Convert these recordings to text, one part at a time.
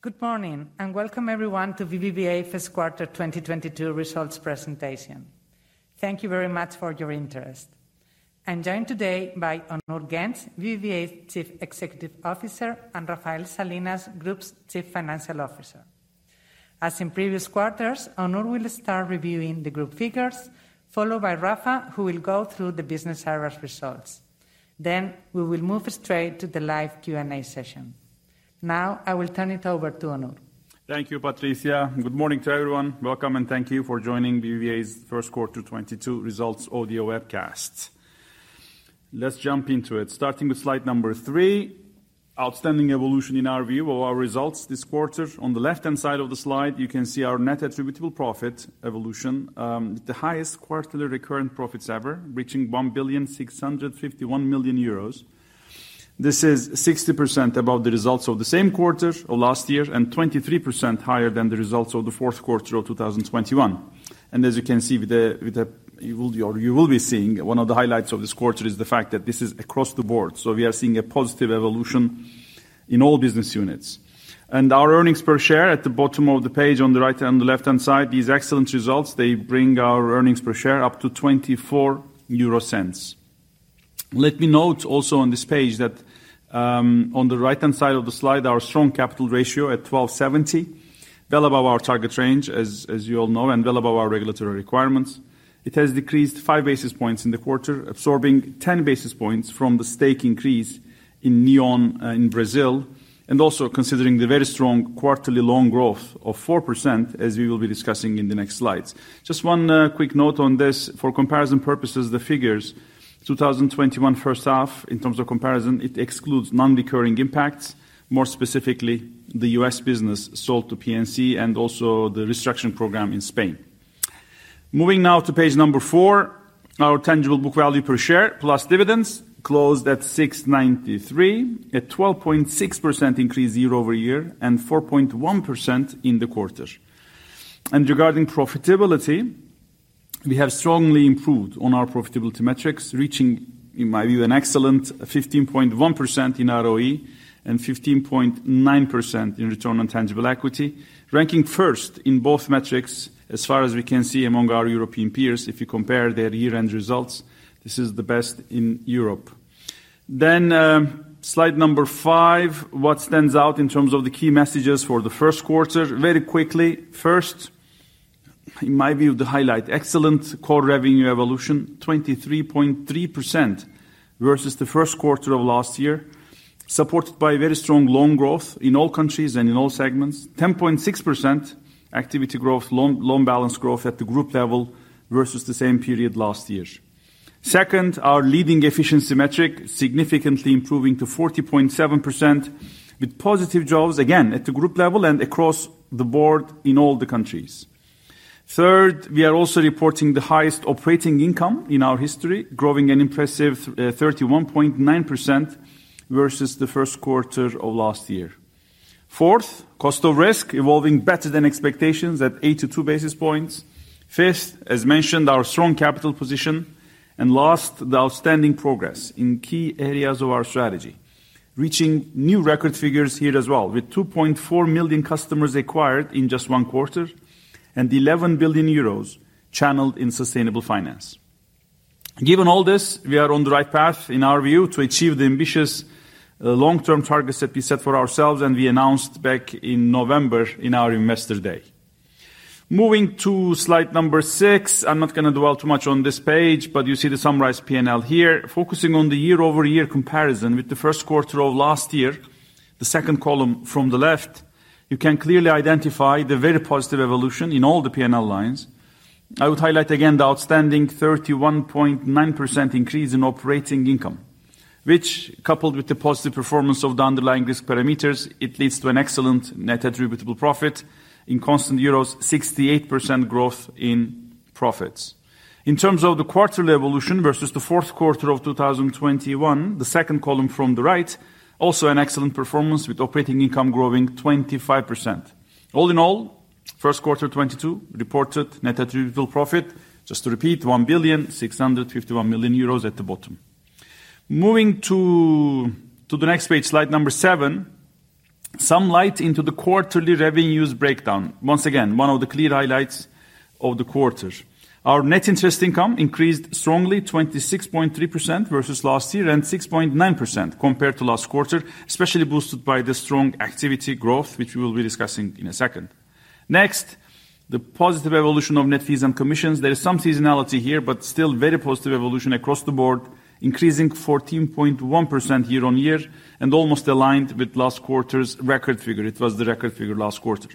Good morning, and welcome everyone to BBVA First Quarter 2022 Results Presentation. Thank you very much for your interest. I'm joined today by Onur Genç, BBVA's Chief Executive Officer, and Rafael Salinas, Group's Chief Financial Officer. As in previous quarters, Onur will start reviewing the group figures, followed by Rafa, who will go through the business areas results. We will move straight to the live Q&A session. Now, I will turn it over to Onur. Thank you, Patricia. Good morning to everyone. Welcome, and thank you for joining BBVA's first quarter 2022 results audio webcast. Let's jump into it. Starting with slide number 3, outstanding evolution in our view of our results this quarter. On the left-hand side of the slide, you can see our net attributable profit evolution, the highest quarterly recurrent profits ever, reaching 1,651 million euros. This is 60% above the results of the same quarter of last year and 23% higher than the results of the fourth quarter of 2021. You will be seeing one of the highlights of this quarter is the fact that this is across the board. We are seeing a positive evolution in all business units. Our earnings per share at the bottom of the page on the right and the left-hand side, these excellent results, they bring our earnings per share up to 0.24. Let me note also on this page that, on the right-hand side of the slide, our strong capital ratio at 12.70%, well above our target range, as you all know, and well above our regulatory requirements. It has decreased five basis points in the quarter, absorbing 10 basis points from the stake increase in Neon in Brazil, and also considering the very strong quarterly loan growth of 4%, as we will be discussing in the next slides. Just one quick note on this, for comparison purposes, the figures 2021 first half in terms of comparison, it excludes non-recurring impacts, more specifically the US business sold to PNC and also the restructuring program in Spain. Moving now to page number four, our tangible book value per share plus dividends closed at 6.93, a 12.6% increase YoY and 4.1% in the quarter. Regarding profitability, we have strongly improved on our profitability metrics, reaching, in my view, an excellent 15.1% in ROE and 15.9% in return on tangible equity, ranking first in both metrics as far as we can see among our European peers. If you compare their year-end results, this is the best in Europe. Slide number five, what stands out in terms of the key messages for the first quarter. Very quickly, first, in my view, the highlight, excellent core revenue evolution, 23.3% versus the first quarter of last year, supported by very strong loan growth in all countries and in all segments. 10.6% activity growth, loan balance growth at the group level versus the same period last year. Second, our leading efficiency metric significantly improving to 40.7% with positive jaws, again, at the group level and across the board in all the countries. Third, we are also reporting the highest operating income in our history, growing an impressive 31.9% versus the first quarter of last year. Fourth, cost of risk evolving better than expectations at 82 basis points. Fifth, as mentioned, our strong capital position. Last, the outstanding progress in key areas of our strategy, reaching new record figures here as well, with 2.4 million customers acquired in just one quarter and 11 billion euros channeled in sustainable finance. Given all this, we are on the right path, in our view, to achieve the ambitious, long-term targets that we set for ourselves and we announced back in November in our Investor Day. Moving to slide number six. I'm not gonna dwell too much on this page, but you see the summarized P&L here. Focusing on the YoY comparison with the first quarter of last year, the second column from the left, you can clearly identify the very positive evolution in all the P&L lines. I would highlight again the outstanding 31.9% increase in operating income, which coupled with the positive performance of the underlying risk parameters, it leads to an excellent net attributable profit. In constant euros, 68% growth in profits. In terms of the quarterly evolution versus the fourth quarter of 2021, the second column from the right, also an excellent performance with operating income growing 25%. All in all, first quarter 2022 reported net attributable profit, just to repeat, 1,651 million euros at the bottom. Moving to the next page, slide number seven, sheds some light on the quarterly revenues breakdown. Once again, one of the clear highlights of the quarter. Our net interest income increased strongly, 26.3% versus last year and 6.9% compared to last quarter, especially boosted by the strong activity growth, which we will be discussing in a second. Next, the positive evolution of net fees and commissions. There is some seasonality here, but still very positive evolution across the board, increasing 14.1% year-on-year and almost aligned with last quarter's record figure. It was the record figure last quarter.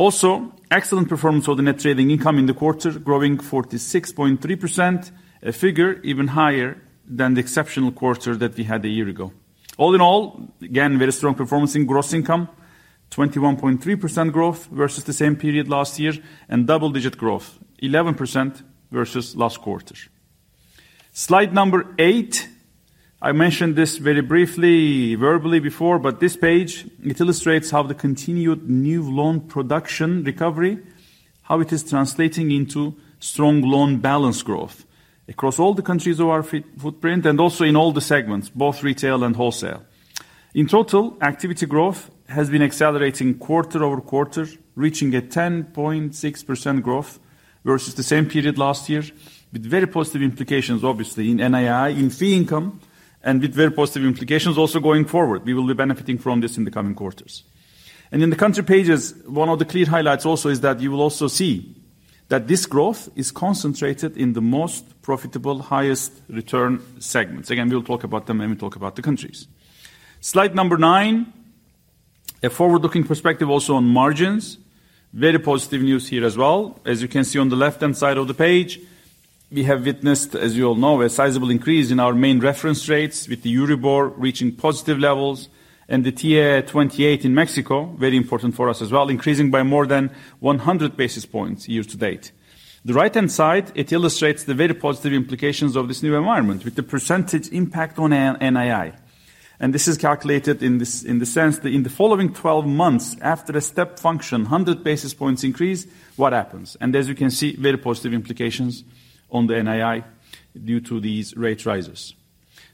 Also, excellent performance of the net trading income in the quarter, growing 46.3%, a figure even higher than the exceptional quarter that we had a year ago. All in all, again, very strong performance in gross income, 21.3% growth versus the same period last year, and double-digit growth, 11% versus last quarter. Slide number eight. I mentioned this very briefly verbally before, but this page, it illustrates how the continued new loan production recovery. How it is translating into strong loan balance growth across all the countries of our footprint, and also in all the segments, both retail and wholesale. In total, activity growth has been accelerating QoQ, reaching a 10.6% growth versus the same period last year, with very positive implications, obviously, in NII, in fee income, and with very positive implications also going forward. We will be benefiting from this in the coming quarters. In the country pages, one of the clear highlights also is that you will also see that this growth is concentrated in the most profitable, highest return segments. Again, we'll talk about them when we talk about the countries. Slide number nine, a forward-looking perspective also on margins. Very positive news here as well. As you can see on the left-hand side of the page, we have witnessed, as you all know, a sizable increase in our main reference rates with the EURIBOR reaching positive levels and the TIIE 28 in Mexico, very important for us as well, increasing by more than 100 basis points year to date. The right-hand side, it illustrates the very positive implications of this new environment with the percentage impact on NII. This is calculated in this, in the sense that in the following 12 months after a step function, 100 basis points increase, what happens? As you can see, very positive implications on the NII due to these rate rises.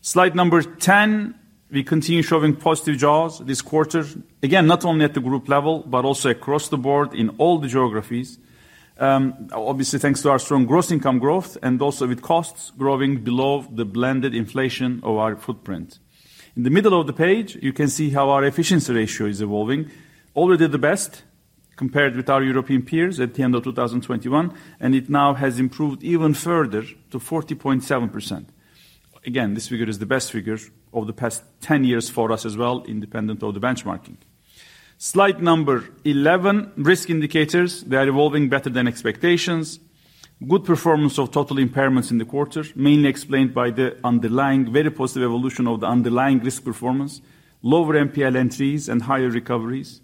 Slide number 10, we continue showing positive jaws this quarter, again, not only at the group level, but also across the board in all the geographies, obviously, thanks to our strong gross income growth and also with costs growing below the blended inflation of our footprint. In the middle of the page, you can see how our efficiency ratio is evolving. Already the best compared with our European peers at the end of 2021, and it now has improved even further to 40.7%. Again, this figure is the best figure over the past 10 years for us as well, independent of the benchmarking. Slide number 11, risk indicators. They are evolving better than expectations. Good performance of total impairments in the quarter, mainly explained by the underlying very positive evolution of the underlying risk performance, lower NPL entries, and higher recoveries.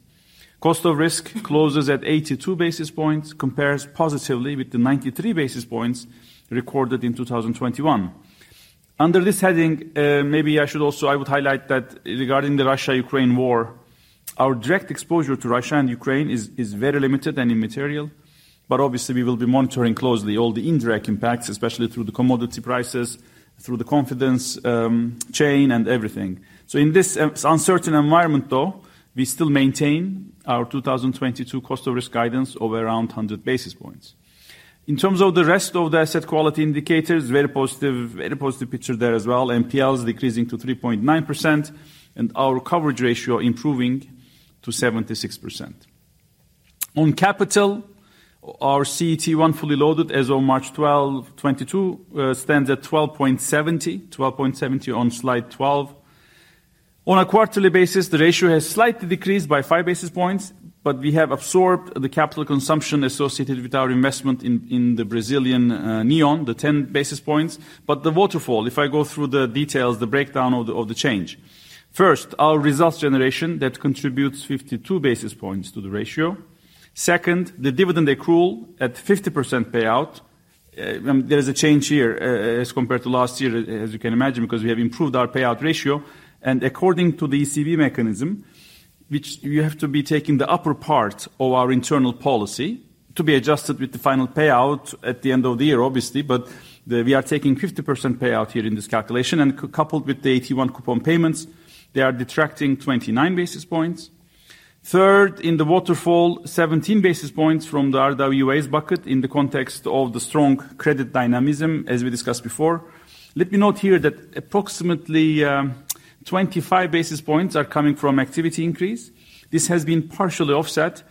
Cost of risk closes at 82 basis points, compares positively with the 93 basis points recorded in 2021. Under this heading, I would highlight that regarding the Russia-Ukraine war, our direct exposure to Russia and Ukraine is very limited and immaterial, but obviously, we will be monitoring closely all the indirect impacts, especially through the commodity prices, through the confidence chain and everything. In this uncertain environment, though, we still maintain our 2022 cost of risk guidance of around 100 basis points. In terms of the rest of the asset quality indicators, very positive, very positive picture there as well. NPL is decreasing to 3.9%, and our coverage ratio improving to 76%. On capital, our CET1 fully loaded as of March 12, 2022, stands at 12.70. 12.70 on slide 12. On a quarterly basis, the ratio has slightly decreased by 5 basis points, but we have absorbed the capital consumption associated with our investment in the Brazilian Neon, the 10 basis points. The waterfall, if I go through the details, the breakdown of the change. First, our results generation, that contributes 52 basis points to the ratio. Second, the dividend accrual at 50% payout. There is a change here, as compared to last year, as you can imagine, because we have improved our payout ratio. According to the ECB mechanism, which you have to be taking the upper part of our internal policy to be adjusted with the final payout at the end of the year, obviously. We are taking 50% payout here in this calculation, and coupled with the AT1 coupon payments, they are detracting 29 basis points. Third, in the waterfall, 17 basis points from the RWAs bucket in the context of the strong credit dynamism, as we discussed before. Let me note here that approximately, 25 basis points are coming from activity increase. This has been partially offset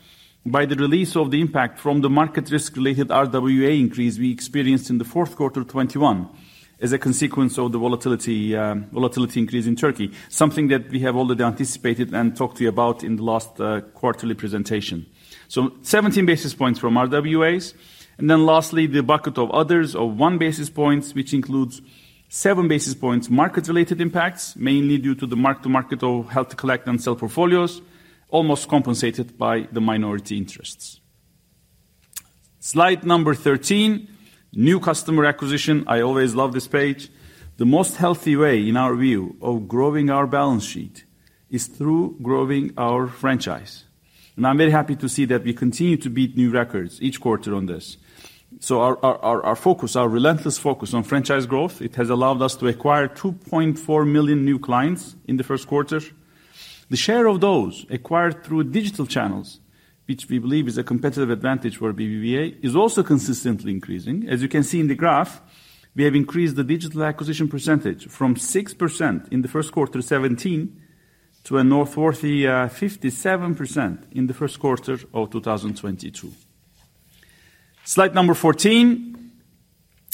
by the release of the impact from the market risk-related RWA increase we experienced in the fourth quarter of 2021 as a consequence of the volatility increase in Turkey, something that we have already anticipated and talked to you about in the last quarterly presentation. 17 basis points from RWAs. Lastly, the bucket of others of 1 basis points, which includes seven basis points market-related impacts, mainly due to the mark-to-market of held-to-collect-and-sell portfolios, almost compensated by the minority interests. Slide number 13, new customer acquisition. I always love this page. The most healthy way, in our view, of growing our balance sheet is through growing our franchise. I'm very happy to see that we continue to beat new records each quarter on this. Our relentless focus on franchise growth has allowed us to acquire 2.4 million new clients in the first quarter. The share of those acquired through digital channels, which we believe is a competitive advantage for BBVA, is also consistently increasing. As you can see in the graph, we have increased the digital acquisition percentage from 6% in the first quarter 2017 to a noteworthy 57% in the first quarter of 2022. Slide number 14.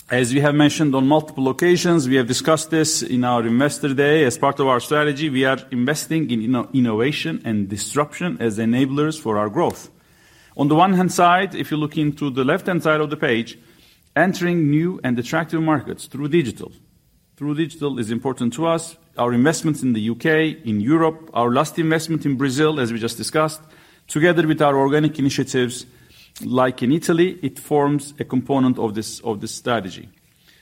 As we have mentioned on multiple occasions, we have discussed this in our Investor Day. As part of our strategy, we are investing in innovation and disruption as enablers for our growth. On the one hand side, if you're looking to the left-hand side of the page, entering new and attractive markets through digital. Through digital is important to us. Our investments in the UK, in Europe, our last investment in Brazil, as we just discussed, together with our organic initiatives, like in Italy, it forms a component of this strategy.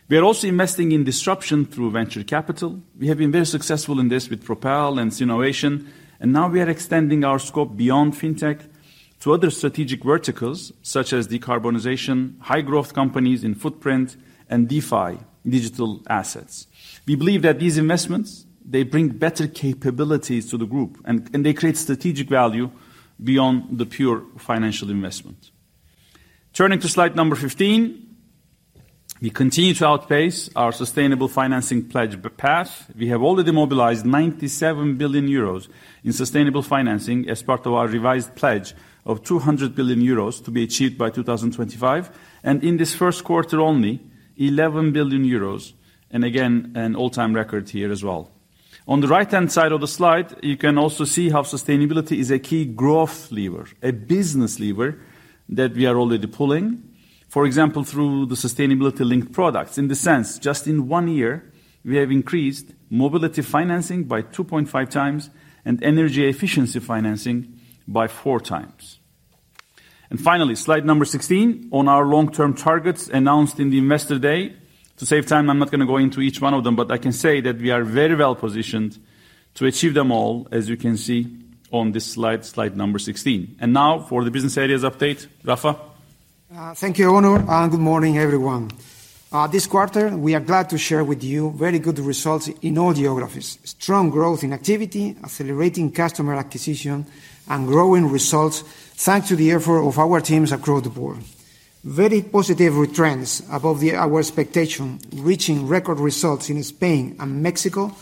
We are also investing in disruption through venture capital. We have been very successful in this with Propel and Sinovation, and now we are extending our scope beyond fintech to other strategic verticals such as decarbonization, high growth companies in footprint, and DeFi digital assets. We believe that these investments, they bring better capabilities to the group and they create strategic value beyond the pure financial investment. Turning to slide number 15, we continue to outpace our sustainable financing pledge path. We have already mobilized 97 billion euros in sustainable financing as part of our revised pledge of 200 billion euros to be achieved by 2025. In this first quarter only, 11 billion euros, and again, an all-time record here as well. On the right-hand side of the slide, you can also see how sustainability is a key growth lever, a business lever that we are already pulling, for example, through the sustainability linked products. In the sense, just in one year, we have increased mobility financing by 2.5x and energy efficiency financing by 4x. Finally, slide number 16 on our long-term targets announced in the investor day. To save time, I'm not gonna go into each one of them, but I can say that we are very well-positioned to achieve them all, as you can see on this slide number 16. Now for the business areas update. Rafa? Thank you, Onur, and good morning, everyone. This quarter we are glad to share with you very good results in all geographies. Strong growth in activity, accelerating customer acquisition, and growing results thanks to the effort of our teams across the board. Very positive trends above our expectation, reaching record results in Spain and Mexico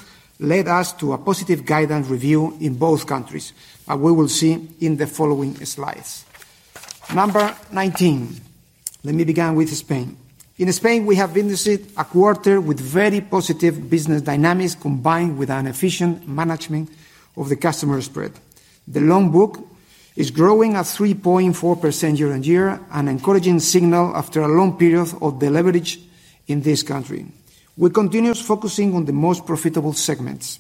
led us to a positive guidance review in both countries, and we will see in the following slides. Number 19. Let me begin with Spain. In Spain, we have witnessed a quarter with very positive business dynamics combined with an efficient management of the customer spread. The loan book is growing at 3.4% year-on-year, an encouraging signal after a long period of deleverage in this country. We continue focusing on the most profitable segments.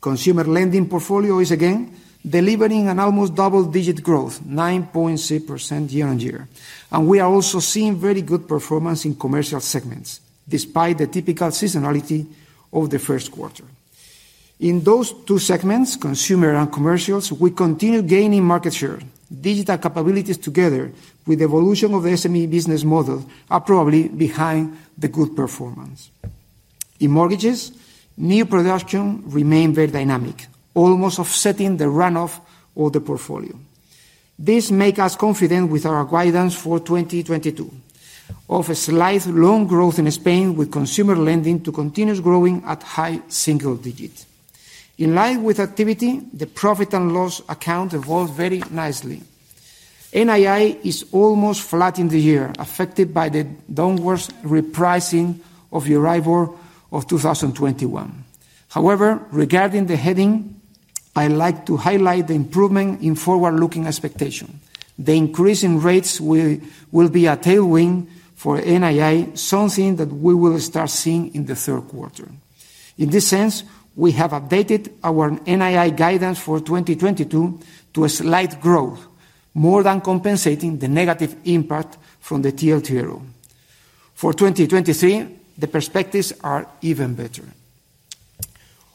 Consumer lending portfolio is again delivering an almost double-digit growth, 9.6% year-on-year. We are also seeing very good performance in commercial segments, despite the typical seasonality of the first quarter. In those two segments, consumer and commercial, we continue gaining market share. Digital capabilities together with evolution of the SME business model are probably behind the good performance. In mortgages, new production remains very dynamic, almost offsetting the run-off of the portfolio. This makes us confident with our guidance for 2022 of a slight loan growth in Spain with consumer lending continuing to grow at high single digits. In line with activity, the profit and loss account evolved very nicely. NII is almost flat in the year, affected by the downward repricing of the variable of 2021. However, regarding the heading, I like to highlight the improvement in forward-looking expectation. The increase in rates will be a tailwind for NII, something that we will start seeing in the third quarter. In this sense, we have updated our NII guidance for 2022 to a slight growth, more than compensating the negative impact from the TLTRO. For 2023, the perspectives are even better.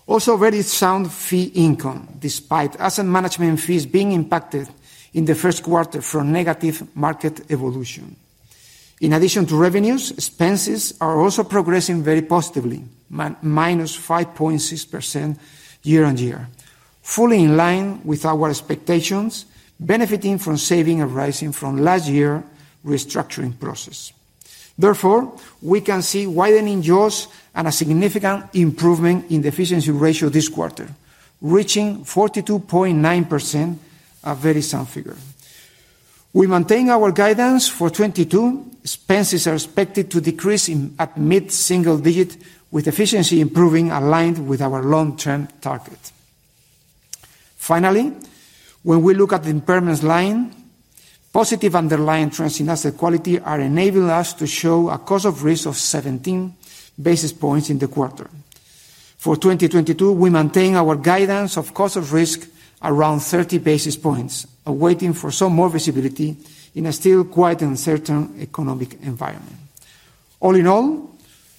Also, very sound fee income, despite asset management fees being impacted in the first quarter from negative market evolution. In addition to revenues, expenses are also progressing very positively, minus 5.6% year on year, fully in line with our expectations, benefiting from savings arising from last year restructuring process. Therefore, we can see widening jaws and a significant improvement in the efficiency ratio this quarter, reaching 42.9%, a very sound figure. We maintain our guidance for 2022. Expenses are expected to decrease at mid-single-digit with efficiency improving aligned with our long-term target. Finally, when we look at the impairments line, positive underlying trends in asset quality are enabling us to show a cost of risk of 17 basis points in the quarter. For 2022, we maintain our guidance of cost of risk around 30 basis points, awaiting for some more visibility in a still quite uncertain economic environment. All in all,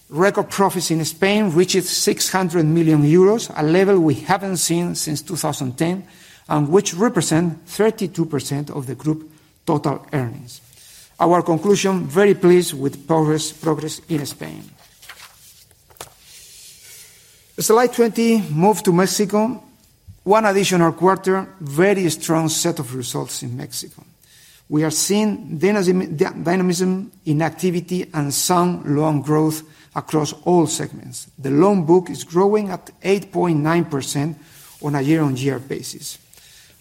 record profits in Spain reaches 600 million euros, a level we haven't seen since 2010, and which represent 32% of the group total earnings. Our conclusion, very pleased with progress in Spain. Slide 20, move to Mexico. One additional quarter, very strong set of results in Mexico. We are seeing dynamism in activity and sound loan growth across all segments. The loan book is growing at 8.9% on a year-on-year basis.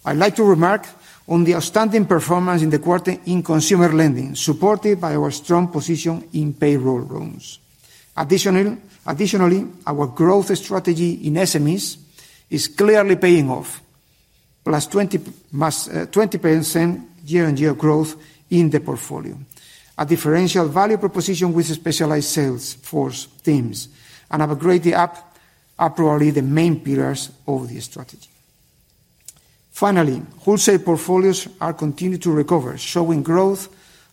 I'd like to remark on the outstanding performance in the quarter in consumer lending, supported by our strong position in payroll loans. Additionally, our growth strategy in SMEs is clearly paying off. Plus 20% year-on-year growth in the portfolio. A differential value proposition with specialized sales force teams and have a great app are probably the main pillars of the strategy. Finally, wholesale portfolios are continuing to recover, showing growth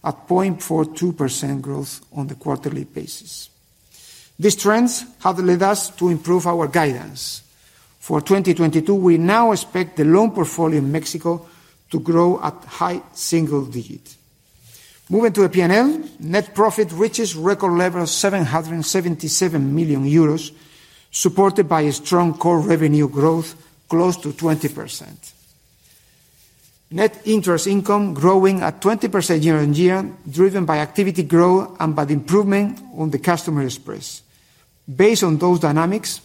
at 0.42% on the quarterly basis. These trends have led us to improve our guidance. For 2022, we now expect the loan portfolio in Mexico to grow at high single digits. Moving to the P&L, net profit reaches record level 777 million euros, supported by a strong core revenue growth close to 20%. Net interest income growing at 20% year-on-year, driven by activity growth and by the improvement on the customer spreads. Based on those dynamics,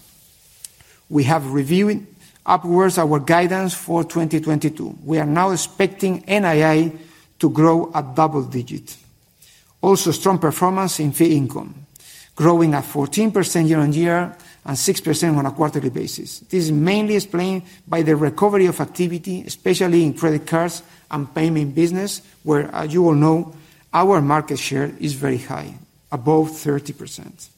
we have reviewed upwards our guidance for 2022. We are now expecting NII to grow at double digits. Also, strong performance in fee income, growing at 14% year-on-year and 6% on a quarterly basis. This is mainly explained by the recovery of activity, especially in credit cards and payment business, where, as you all know, our market share is very high, above 30%.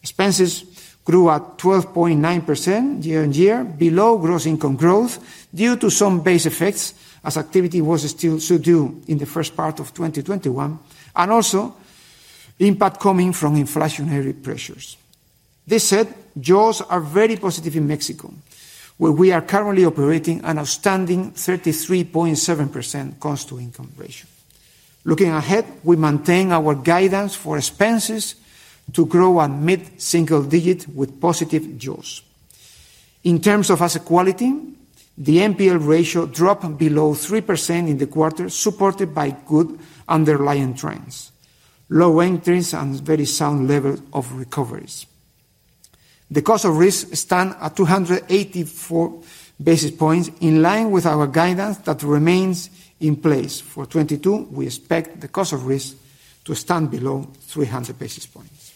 Expenses grew at 12.9% year-on-year, below gross income growth due to some base effects as activity was still slow due in the first part of 2021, and also impact coming from inflationary pressures. That said, jaws are very positive in Mexico, where we are currently operating an outstanding 33.7% cost to income ratio. Looking ahead, we maintain our guidance for expenses to grow at mid-single digits with positive jaws. In terms of asset quality, the NPL ratio dropped below 3% in the quarter, supported by good underlying trends, low entries, and very sound level of recoveries. The cost of risk stands at 284 basis points, in line with our guidance that remains in place. For 2022, we expect the cost of risk to stand below 300 basis points.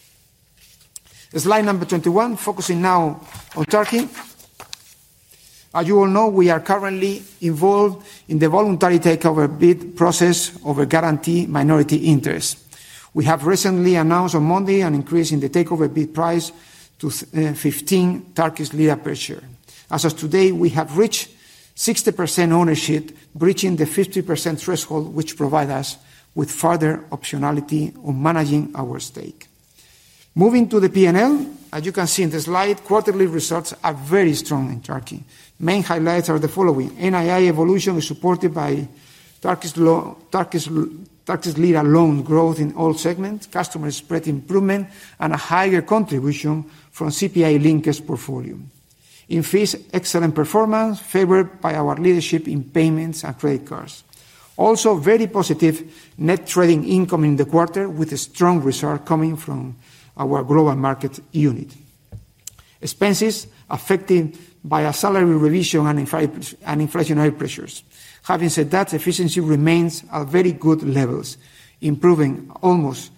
Slide number 21, focusing now on Turkey. As you all know, we are currently involved in the voluntary takeover bid process over Garanti minority interest. We have recently announced on Monday an increase in the takeover bid price to 15 Turkish lira per share. As of today, we have reached 60% ownership, breaching the 50% threshold, which provide us with further optionality on managing our stake. Moving to the P&L, as you can see in the slide, quarterly results are very strong in Turkey. Main highlights are the following. NII evolution is supported by Turkish lira loan growth in all segments, customer spread improvement, and a higher contribution from CPI-linked portfolio. In fees, excellent performance favored by our leadership in payments and credit cards. Also, very positive net trading income in the quarter with a strong result coming from our global market unit. Expenses affected by a salary revision and inflationary pressures. Having said that, efficiency remains at very good levels, improving almost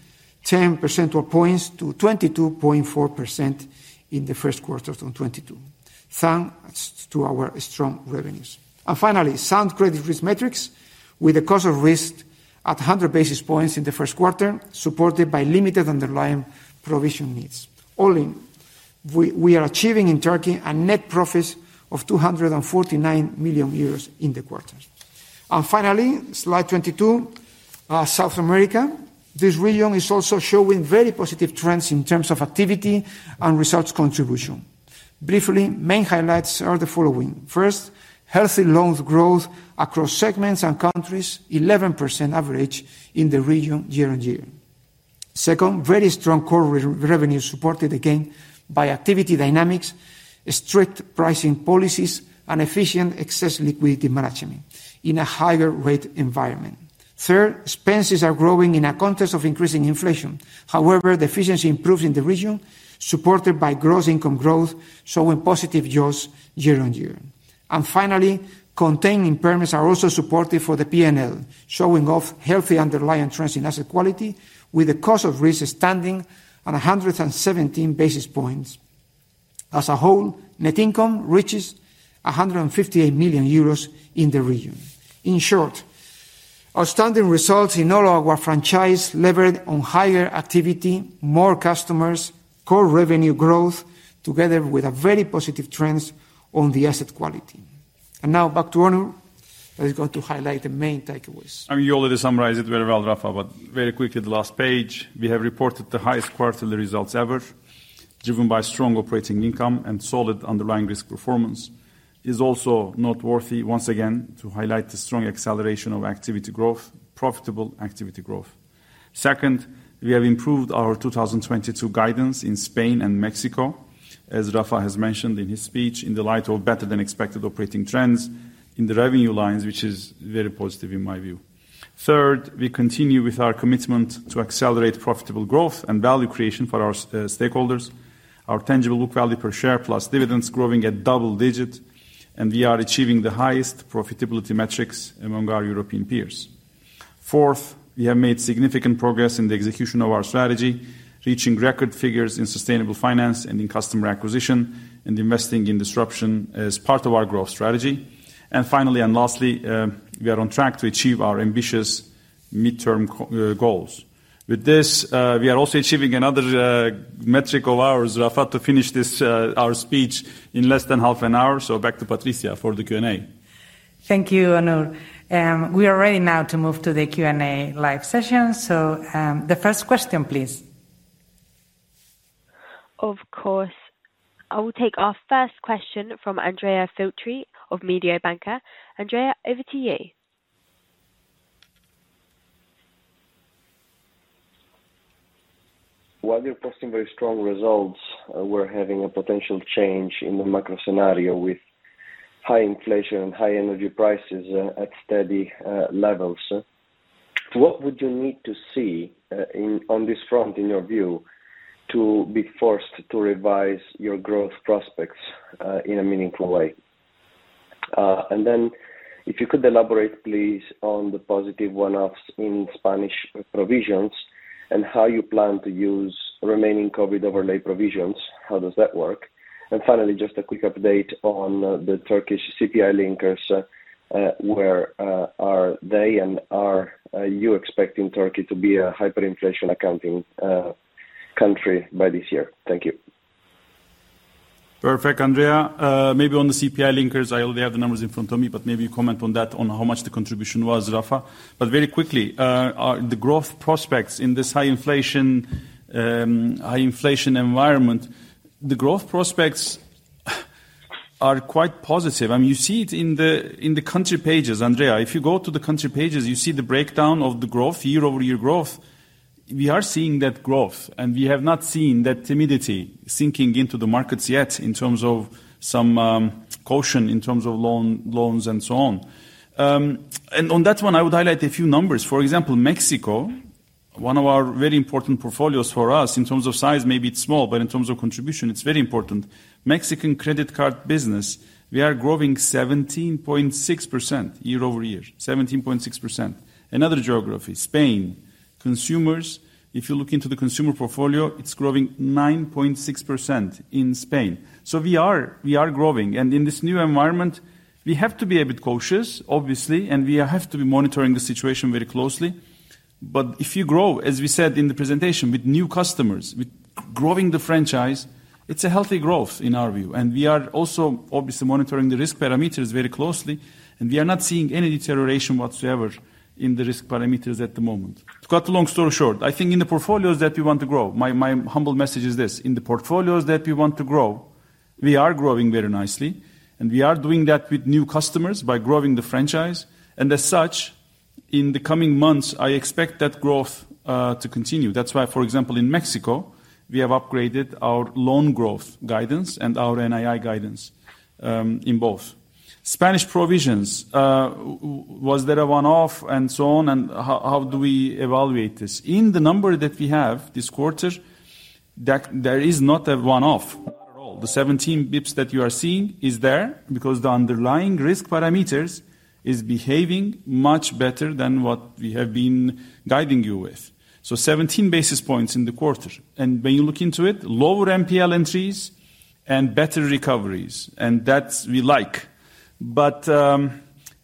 10 percentage points to 22.4% in the first quarter of 2022, thanks to our strong revenues. Finally, sound credit risk metrics with the cost of risk at 100 basis points in the first quarter, supported by limited underlying provision needs. All in, we are achieving in Turkey net profits of 249 million euros in the quarter. Finally, slide 22, South America. This region is also showing very positive trends in terms of activity and results contribution. Briefly, main highlights are the following. First, healthy loans growth across segments and countries, 11% average in the region year-on-year. Second, very strong core revenue supported again by activity dynamics, strict pricing policies, and efficient excess liquidity management in a higher rate environment. Third, expenses are growing in a context of increasing inflation. However, the efficiency improves in the region, supported by gross income growth, showing positive jaws year-on-year. Finally, contained impairments are also supportive for the P&L, showing off healthy underlying trends in asset quality with the cost of risk standing at 117 basis points. As a whole, net income reaches 158 million euros in the region. In short, outstanding results in all our franchise levered on higher activity, more customers, core revenue growth, together with a very positive trends on the asset quality. Now back to Onur, who is going to highlight the main takeaways. I mean, you already summarized it very well, Rafa, but very quickly, the last page. We have reported the highest quarterly results ever, driven by strong operating income and solid underlying risk performance. It's also noteworthy once again to highlight the strong acceleration of activity growth, profitable activity growth. Second, we have improved our 2022 guidance in Spain and Mexico, as Rafa has mentioned in his speech, in the light of better than expected operating trends in the revenue lines, which is very positive in my view. Third, we continue with our commitment to accelerate profitable growth and value creation for our stakeholders. Our tangible book value per share plus dividends growing at double digits, and we are achieving the highest profitability metrics among our European peers. Fourth, we have made significant progress in the execution of our strategy, reaching record figures in sustainable finance and in customer acquisition, and investing in disruption as part of our growth strategy. Finally, and lastly, we are on track to achieve our ambitious midterm goals. With this, we are also achieving another metric of ours, Rafa, to finish this, our speech in less than half an hour, so back to Patricia for the Q&A. Thank you, Onur. We are ready now to move to the Q&A live session. The first question, please. Of course. I will take our first question from Andrea Filtri of Mediobanca. Andrea, over to you. While you're posting very strong results, we're having a potential change in the macro scenario with high inflation and high energy prices at steady levels. What would you need to see on this front in your view to be forced to revise your growth prospects in a meaningful way? If you could elaborate, please, on the positive one-offs in Spanish provisions and how you plan to use remaining COVID overlay provisions, how does that work? Finally, just a quick update on the Turkish CPI linkers, where are they and are you expecting Turkey to be a hyperinflation accounting country by this year? Thank you. Perfect, Andrea. Maybe on the CPI linkers, I already have the numbers in front of me, but maybe you comment on that on how much the contribution was, Rafa. Very quickly, the growth prospects in this high inflation, high inflation environment, the growth prospects are quite positive. I mean, you see it in the country pages, Andrea. If you go to the country pages, you see the breakdown of the growth, year-over-year growth. We are seeing that growth, and we have not seen that timidity sinking into the markets yet in terms of some caution in terms of loans and so on. On that one, I would highlight a few numbers. For example, Mexico, one of our very important portfolios for us in terms of size, maybe it's small, but in terms of contribution it's very important. Mexican credit card business, we are growing 17.6% YoY. 17.6%. Another geography, Spain. Consumers, if you look into the consumer portfolio, it's growing 9.6% in Spain. We are growing. In this new environment, we have to be a bit cautious, obviously, and we have to be monitoring the situation very closely. If you grow, as we said in the presentation, with new customers, with growing the franchise, it's a healthy growth in our view. We are also obviously monitoring the risk parameters very closely, and we are not seeing any deterioration whatsoever in the risk parameters at the moment. To cut a long story short, I think in the portfolios that we want to grow, my humble message is this: we are growing very nicely, and we are doing that with new customers by growing the franchise. As such, in the coming months, I expect that growth to continue. That's why, for example, in Mexico, we have upgraded our loan growth guidance and our NII guidance in both. Spanish provisions, was there a one-off and so on, and how do we evaluate this? In the number that we have this quarter, there is not a one-off at all. The 17 basis points that you are seeing is there because the underlying risk parameters is behaving much better than what we have been guiding you with. 17 basis points in the quarter. When you look into it, lower NPL entries and better recoveries, and that we like. But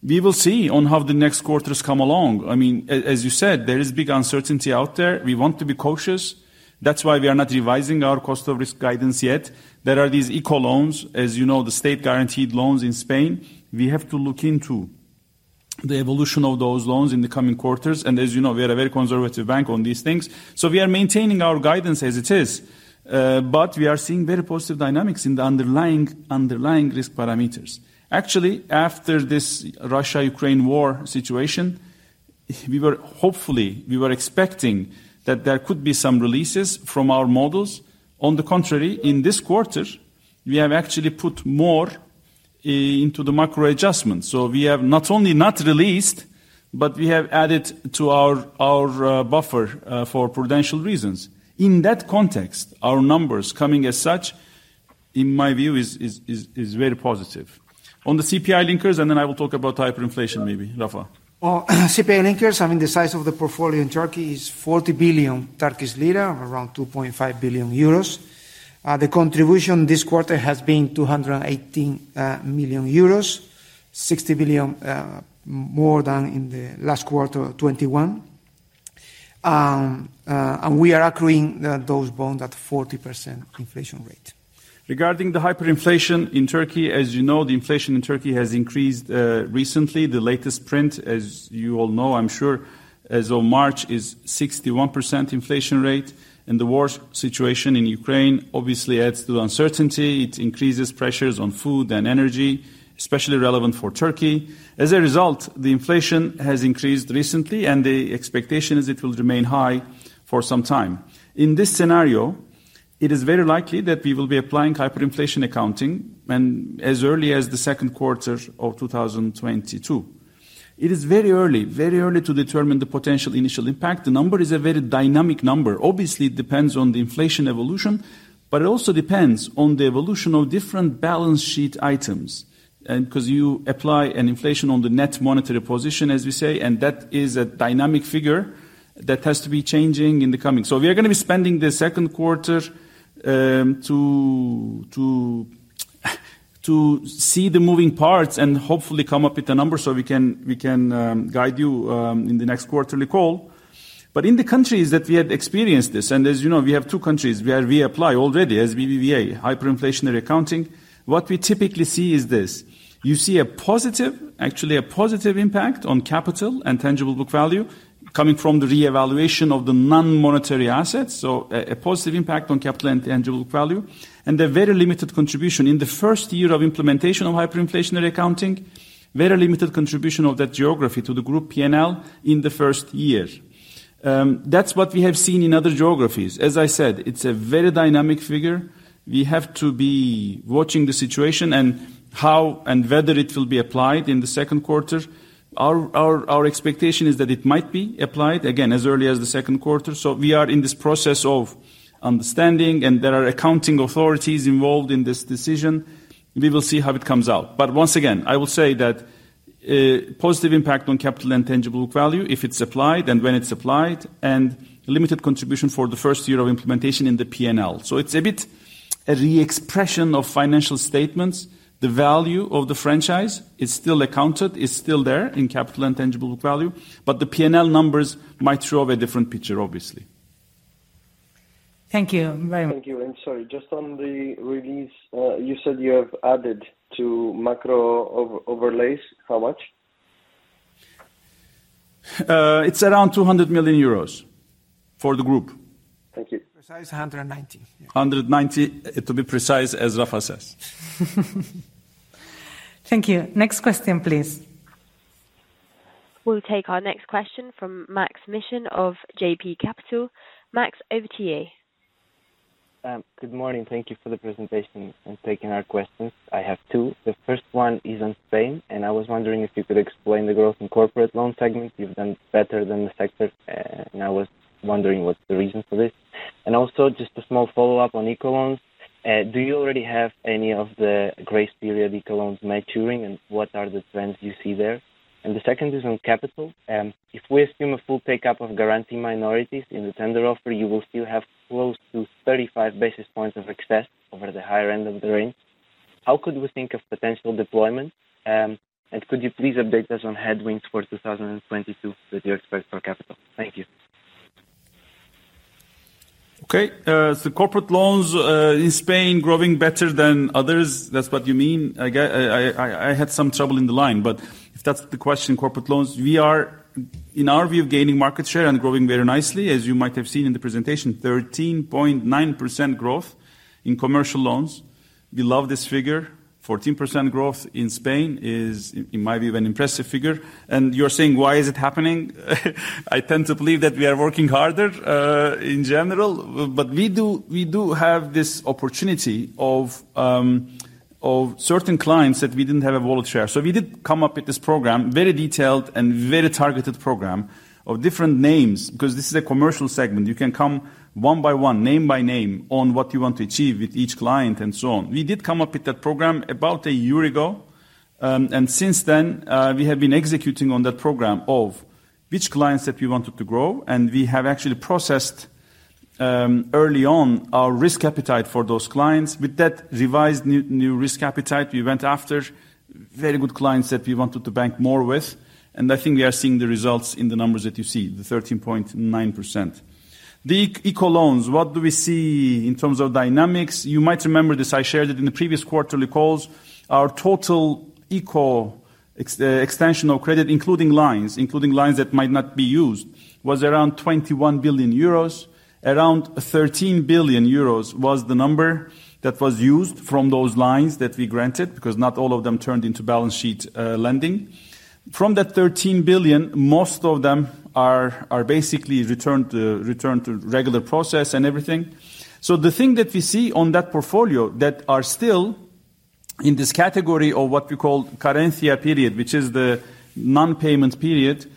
we will see on how the next quarters come along. I mean, as you said, there is big uncertainty out there. We want to be cautious. That's why we are not revising our cost of risk guidance yet. There are these ICO loans, as you know, the state-guaranteed loans in Spain. We have to look into the evolution of those loans in the coming quarters. As you know, we are a very conservative bank on these things. We are maintaining our guidance as it is, but we are seeing very positive dynamics in the underlying risk parameters. Actually, after this Russia-Ukraine war situation, we were expecting that there could be some releases from our models. On the contrary, in this quarter, we have actually put more into the micro adjustments. We have not only not released, but we have added to our buffer for prudential reasons. In that context, our numbers coming as such, in my view is very positive. On the CPI linkers, I will talk about hyperinflation maybe. Rafa? On CPI linkers, I mean, the size of the portfolio in Turkey is 40 billion Turkish lira, around 2.5 billion euros. The contribution this quarter has been 218 million euros, 60 billion more than in the last quarter of 2021. And we are accruing those bonds at 40% inflation rate. Regarding the hyperinflation in Turkey, as you know, the inflation in Turkey has increased recently. The latest print, as you all know, I'm sure, as of March is 61% inflation rate, and the war situation in Ukraine obviously adds to the uncertainty. It increases pressures on food and energy, especially relevant for Turkey. As a result, the inflation has increased recently, and the expectation is it will remain high for some time. In this scenario, it is very likely that we will be applying hyperinflation accounting as early as the second quarter of 2022. It is very early to determine the potential initial impact. The number is a very dynamic number. Obviously, it depends on the inflation evolution, but it also depends on the evolution of different balance sheet items. 'Cause you apply an inflation on the net monetary position, as we say, and that is a dynamic figure that has to be changing in the coming. We are gonna be spending the second quarter to see the moving parts and hopefully come up with a number so we can guide you in the next quarterly call. In the countries that we have experienced this, and as you know, we have two countries where we apply already as BBVA hyperinflationary accounting, what we typically see is this. You see a positive, actually a positive impact on capital and tangible book value coming from the reevaluation of the non-monetary assets. A positive impact on capital and tangible book value, and a very limited contribution in the first year of implementation of hyperinflationary accounting, very limited contribution of that geography to the group P&L in the first year. That's what we have seen in other geographies. As I said, it's a very dynamic figure. We have to be watching the situation and how and whether it will be applied in the second quarter. Our expectation is that it might be applied, again, as early as the second quarter. We are in this process of understanding, and there are accounting authorities involved in this decision. We will see how it comes out. Once again, I will say that a positive impact on capital and tangible book value if it's applied and when it's applied, and limited contribution for the first year of implementation in the P&L. It's a bit of a re-expression of financial statements. The value of the franchise is still accounted, is still there in capital and tangible book value, but the P&L numbers might show a different picture, obviously. Thank you very much. Thank you. Sorry, just on the release, you said you have added to macro overlays. How much? It's around 200 million euros for the group. Thank you. To be precise, 190. 190, to be precise, as Rafa says. Thank you. Next question, please. We'll take our next question from Maksym Mishyn of JB Capital Markets. Maksym, over to you. Good morning. Thank you for the presentation and taking our questions. I have two. The first one is on Spain, and I was wondering if you could explain the growth in corporate loan segment. You've done better than the sector, and I was wondering what's the reason for this. Also just a small follow-up on ICO loans. Do you already have any of the grace period ICO loans maturing, and what are the trends you see there? The second is on capital. If we assume a full take-up of Garanti minorities in the tender offer, you will still have close to 35 basis points of excess over the higher end of the range. How could we think of potential deployment? Could you please update us on headwinds for 2022 that you expect for capital? Thank you. Okay. So corporate loans in Spain growing better than others, that's what you mean? I had some trouble in the line, but if that's the question, corporate loans, we are, in our view, gaining market share and growing very nicely. As you might have seen in the presentation, 13.9% growth in commercial loans. We love this figure. 14% growth in Spain is, in my view, an impressive figure. You're saying, why is it happening? I tend to believe that we are working harder in general. We do have this opportunity of certain clients that we didn't have a wallet share. We did come up with this program, very detailed and very targeted program of different names, because this is a commercial segment. You can come one by one, name by name on what you want to achieve with each client and so on. We did come up with that program about a year ago, and since then, we have been executing on that program of which clients that we wanted to grow, and we have actually processed early on our risk appetite for those clients. With that revised new risk appetite, we went after very good clients that we wanted to bank more with, and I think we are seeing the results in the numbers that you see, the 13.9%. The ICO loans, what do we see in terms of dynamics? You might remember this, I shared it in the previous quarterly calls. Our total ICO extension of credit, including lines that might not be used, was around 21 billion euros. Around 13 billion euros was the number that was used from those lines that we granted, because not all of them turned into balance sheet lending. From that 13 billion, most of them are basically returned to regular process and everything. The thing that we see on that portfolio that are still in this category of what we call carencia period, which is the non-payment period,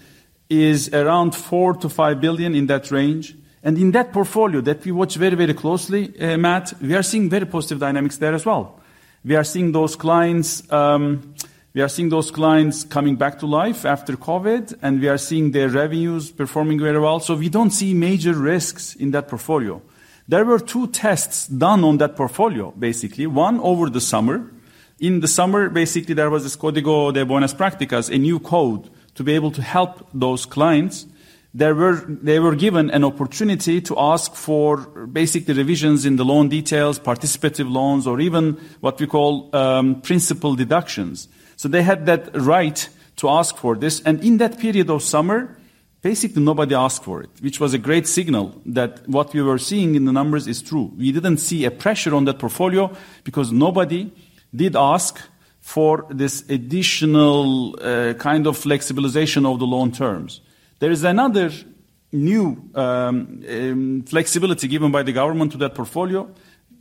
is around 4 billion-5 billion in that range. In that portfolio that we watch very, very closely, Matt, we are seeing very positive dynamics there as well. We are seeing those clients coming back to life after COVID, and we are seeing their revenues performing very well. We don't see major risks in that portfolio. There were two tests done on that portfolio, basically. One over the summer. In the summer, basically, there was this Código de Buenas Prácticas, a new code to be able to help those clients. They were given an opportunity to ask for basically revisions in the loan details, participative loans, or even what we call, principal deductions. They had that right to ask for this. In that period of summer, basically nobody asked for it, which was a great signal that what we were seeing in the numbers is true. We didn't see a pressure on that portfolio because nobody did ask for this additional, kind of flexibilization of the loan terms. There is another new, flexibility given by the government to that portfolio,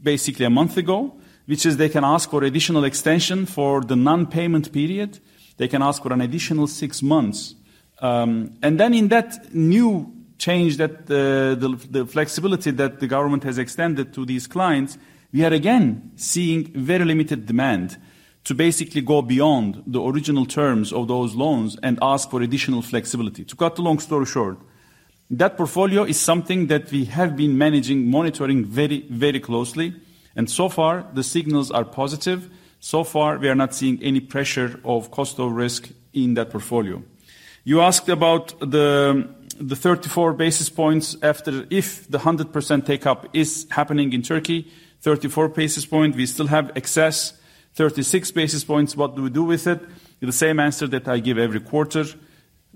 basically a month ago, which is they can ask for additional extension for the non-payment period. They can ask for an additional six months. In that new change that the flexibility that the government has extended to these clients, we are again seeing very limited demand to basically go beyond the original terms of those loans and ask for additional flexibility. To cut a long story short. That portfolio is something that we have been managing, monitoring very, very closely. So far, the signals are positive. So far, we are not seeing any pressure of cost or risk in that portfolio. You asked about the 34 basis points after if the 100% take-up is happening in Turkey, 34 basis point, we still have excess 36 basis points. What do we do with it? The same answer that I give every quarter.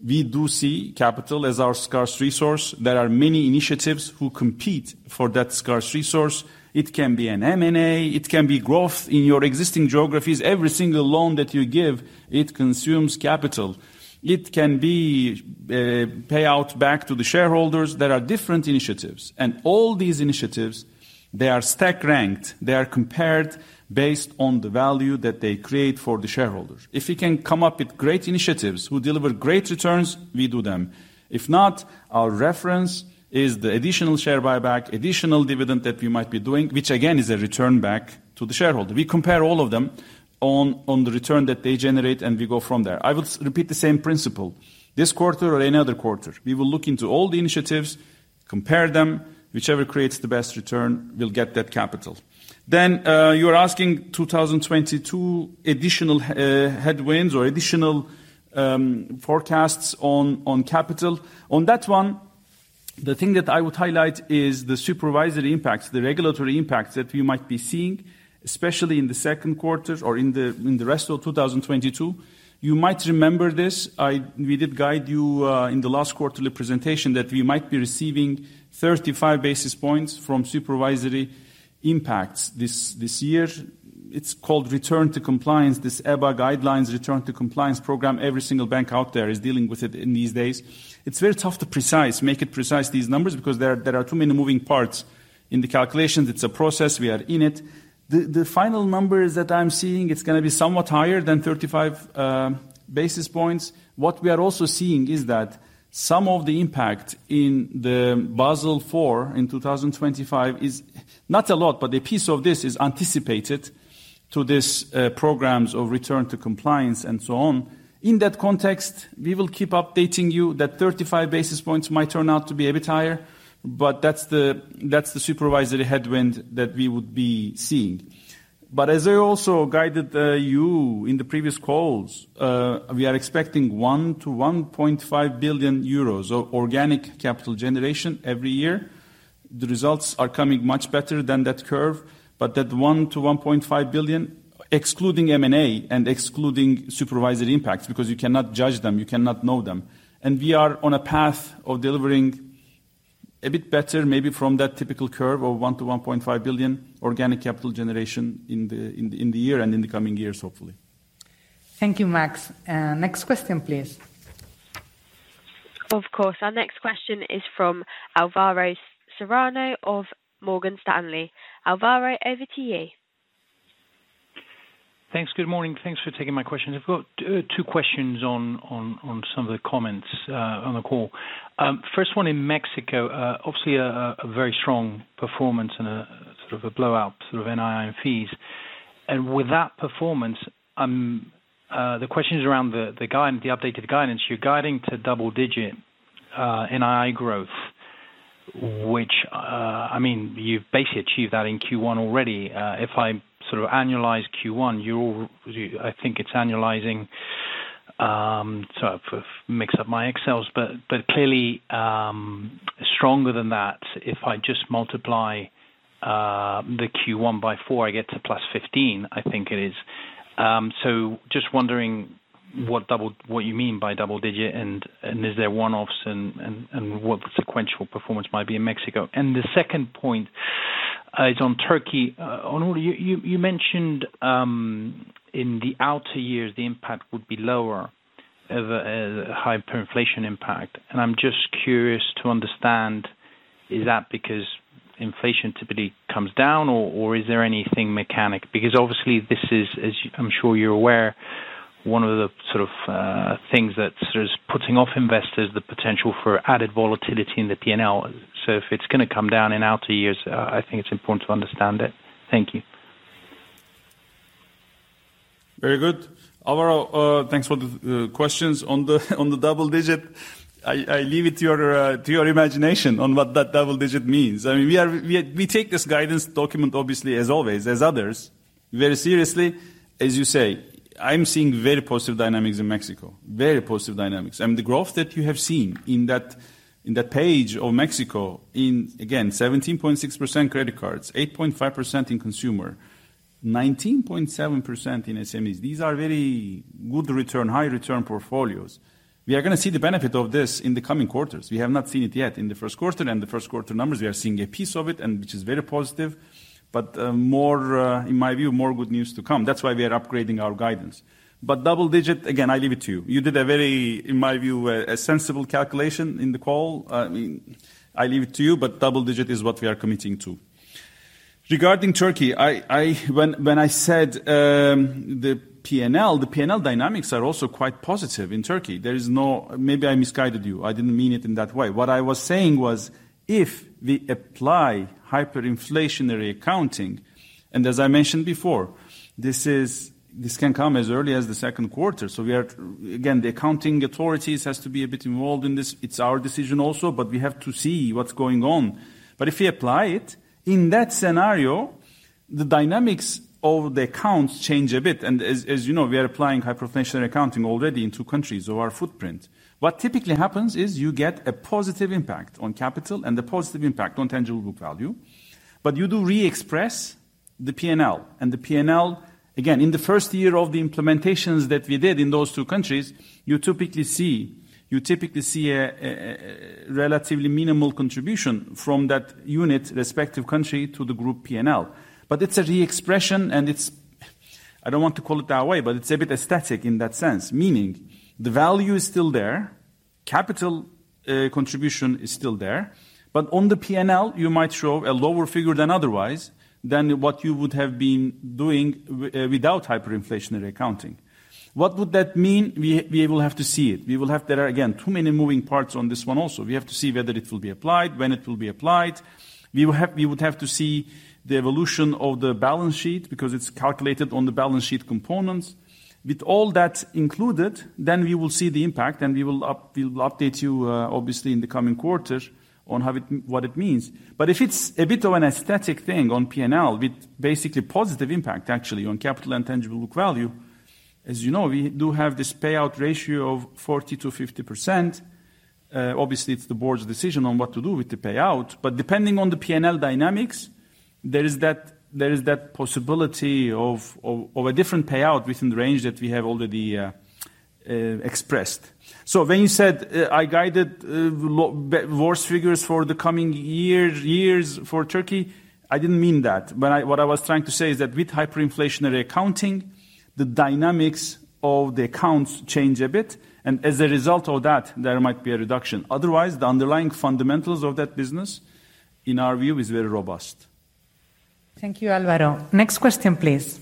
We do see capital as our scarce resource. There are many initiatives who compete for that scarce resource. It can be an M&A, it can be growth in your existing geographies. Every single loan that you give, it consumes capital. It can be payout back to the shareholders. There are different initiatives, and all these initiatives, they are stack ranked. They are compared based on the value that they create for the shareholders. If we can come up with great initiatives who deliver great returns, we do them. If not, our reference is the additional share buyback, additional dividend that we might be doing, which again is a return back to the shareholder. We compare all of them on the return that they generate, and we go from there. I will repeat the same principle. This quarter or any other quarter, we will look into all the initiatives, compare them, whichever creates the best return will get that capital. You're asking 2022 additional headwinds or additional forecasts on capital. On that one, the thing that I would highlight is the supervisory impact, the regulatory impact that we might be seeing, especially in the second quarter or in the rest of 2022. You might remember this. We did guide you in the last quarterly presentation that we might be receiving 35 basis points from supervisory impacts this year. It's called return to compliance. This EBA guidelines return to compliance program, every single bank out there is dealing with it these days. It's very tough to make it precise, these numbers, because there are too many moving parts in the calculations. It's a process. We are in it. The final numbers that I'm seeing, it's gonna be somewhat higher than 35 basis points. What we are also seeing is that some of the impact in the Basel IV in 2025 is not a lot, but a piece of this is anticipated to this programs of return to compliance and so on. In that context, we will keep updating you that 35 basis points might turn out to be a bit higher, but that's the supervisory headwind that we would be seeing. As I also guided you in the previous calls, we are expecting 1-1.5 billion euros organic capital generation every year. The results are coming much better than that curve, but that 1-1.5 billion, excluding M&A and excluding supervisory impacts, because you cannot judge them, you cannot know them. We are on a path of delivering a bit better maybe from that typical curve of 1-1.5 billion organic capital generation in the year and in the coming years, hopefully. Thank you, Max. Next question, please. Of course. Our next question is from Alvaro Serrano of Morgan Stanley. Alvaro, over to you. Thanks. Good morning. Thanks for taking my questions. I've got two questions on some of the comments on the call. First one in Mexico, obviously a very strong performance and a sort of blowout sort of NII and fees. With that performance, the question is around the updated guidance. You're guiding to double-digit NII growth, which, I mean, you've basically achieved that in Q1 already. If I sort of annualize Q1, I think it's annualizing, sorry for mix up my Excels, but clearly stronger than that, if I just multiply the Q1 by four, I get to +15%, I think it is. Just wondering what you mean by double digit, and is there one-offs and what the sequential performance might be in Mexico. The second point is on Turkey. Onur, you mentioned in the outer years, the impact would be lower of high hyperinflation impact. I'm just curious to understand, is that because inflation typically comes down or is there anything mechanical? Because obviously this is, as I'm sure you're aware, one of the sort of things that sort of putting off investors the potential for added volatility in the P&L. If it's gonna come down in outer years, I think it's important to understand it. Thank you. Very good. Alvaro, thanks for the questions. On the double digit, I leave it to your imagination on what that double digit means. I mean, we take this guidance document obviously as always, as others, very seriously. As you say, I'm seeing very positive dynamics in Mexico, very positive dynamics. I mean, the growth that you have seen in that page of Mexico, again, 17.6% credit cards, 8.5% in consumer, 19.7% in SMEs. These are very good return, high return portfolios. We are gonna see the benefit of this in the coming quarters. We have not seen it yet in the first quarter numbers. We are seeing a piece of it, which is very positive. In my view, more good news to come. That's why we are upgrading our guidance. Double digit, again, I leave it to you. You did a very, in my view, a sensible calculation in the call. I mean, I leave it to you, but double digit is what we are committing to. Regarding Turkey, when I said the P&L dynamics are also quite positive in Turkey. There is no. Maybe I misguided you. I didn't mean it in that way. What I was saying was, if we apply hyperinflationary accounting, and as I mentioned before, this can come as early as the second quarter, so we are again, the accounting authorities has to be a bit involved in this. It's our decision also, but we have to see what's going on. If we apply it, in that scenario, the dynamics of the accounts change a bit. As you know, we are applying hyperinflationary accounting already in two countries of our footprint. What typically happens is you get a positive impact on capital and a positive impact on tangible book value, but you do re-express the P&L. The P&L, again, in the first year of the implementations that we did in those two countries, you typically see a relatively minimal contribution from that unit respective country to the group P&L. It's a re-expression, and it's, I don't want to call it that way, but it's a bit aesthetic in that sense. Meaning the value is still there, capital contribution is still there, but on the P&L, you might show a lower figure than otherwise what you would have been doing without hyperinflationary accounting. What would that mean? We will have to see it. There are again too many moving parts on this one also. We have to see whether it will be applied, when it will be applied. We would have to see the evolution of the balance sheet, because it's calculated on the balance sheet components. With all that included, then we will see the impact, and we will update you obviously in the coming quarters on what it means. If it's a bit of an aesthetic thing on P&L with basically positive impact actually on capital and tangible book value, as you know, we do have this payout ratio of 40%-50%. Obviously it's the board's decision on what to do with the payout. But depending on the P&L dynamics, there is that possibility of a different payout within the range that we have already expressed. So when you said, I guided worse figures for the coming years for Turkey, I didn't mean that. But I, what I was trying to say is that with hyperinflationary accounting, the dynamics of the accounts change a bit, and as a result of that, there might be a reduction. Otherwise, the underlying fundamentals of that business, in our view, is very robust. Thank you, Álvaro. Next question, please.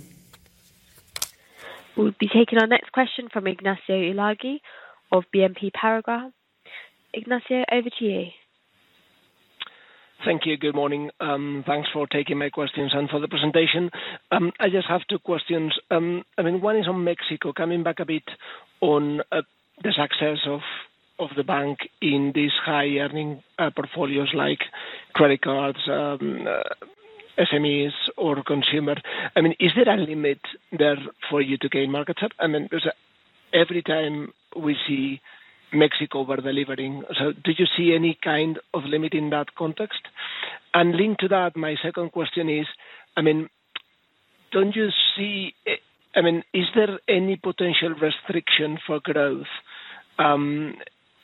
We'll be taking our next question from Ignacio Ulargui of BNP Paribas. Ignacio, over to you. Thank you. Good morning. Thanks for taking my questions and for the presentation. I just have two questions. I mean, one is on Mexico, coming back a bit on the success of the bank in these high-earning portfolios like credit cards, SMEs or consumer. I mean, is there a limit there for you to gain market share? And then there's, every time we see Mexico over-delivering. So do you see any kind of limit in that context? And linked to that, my second question is, I mean, don't you see, I mean, is there any potential restriction for growth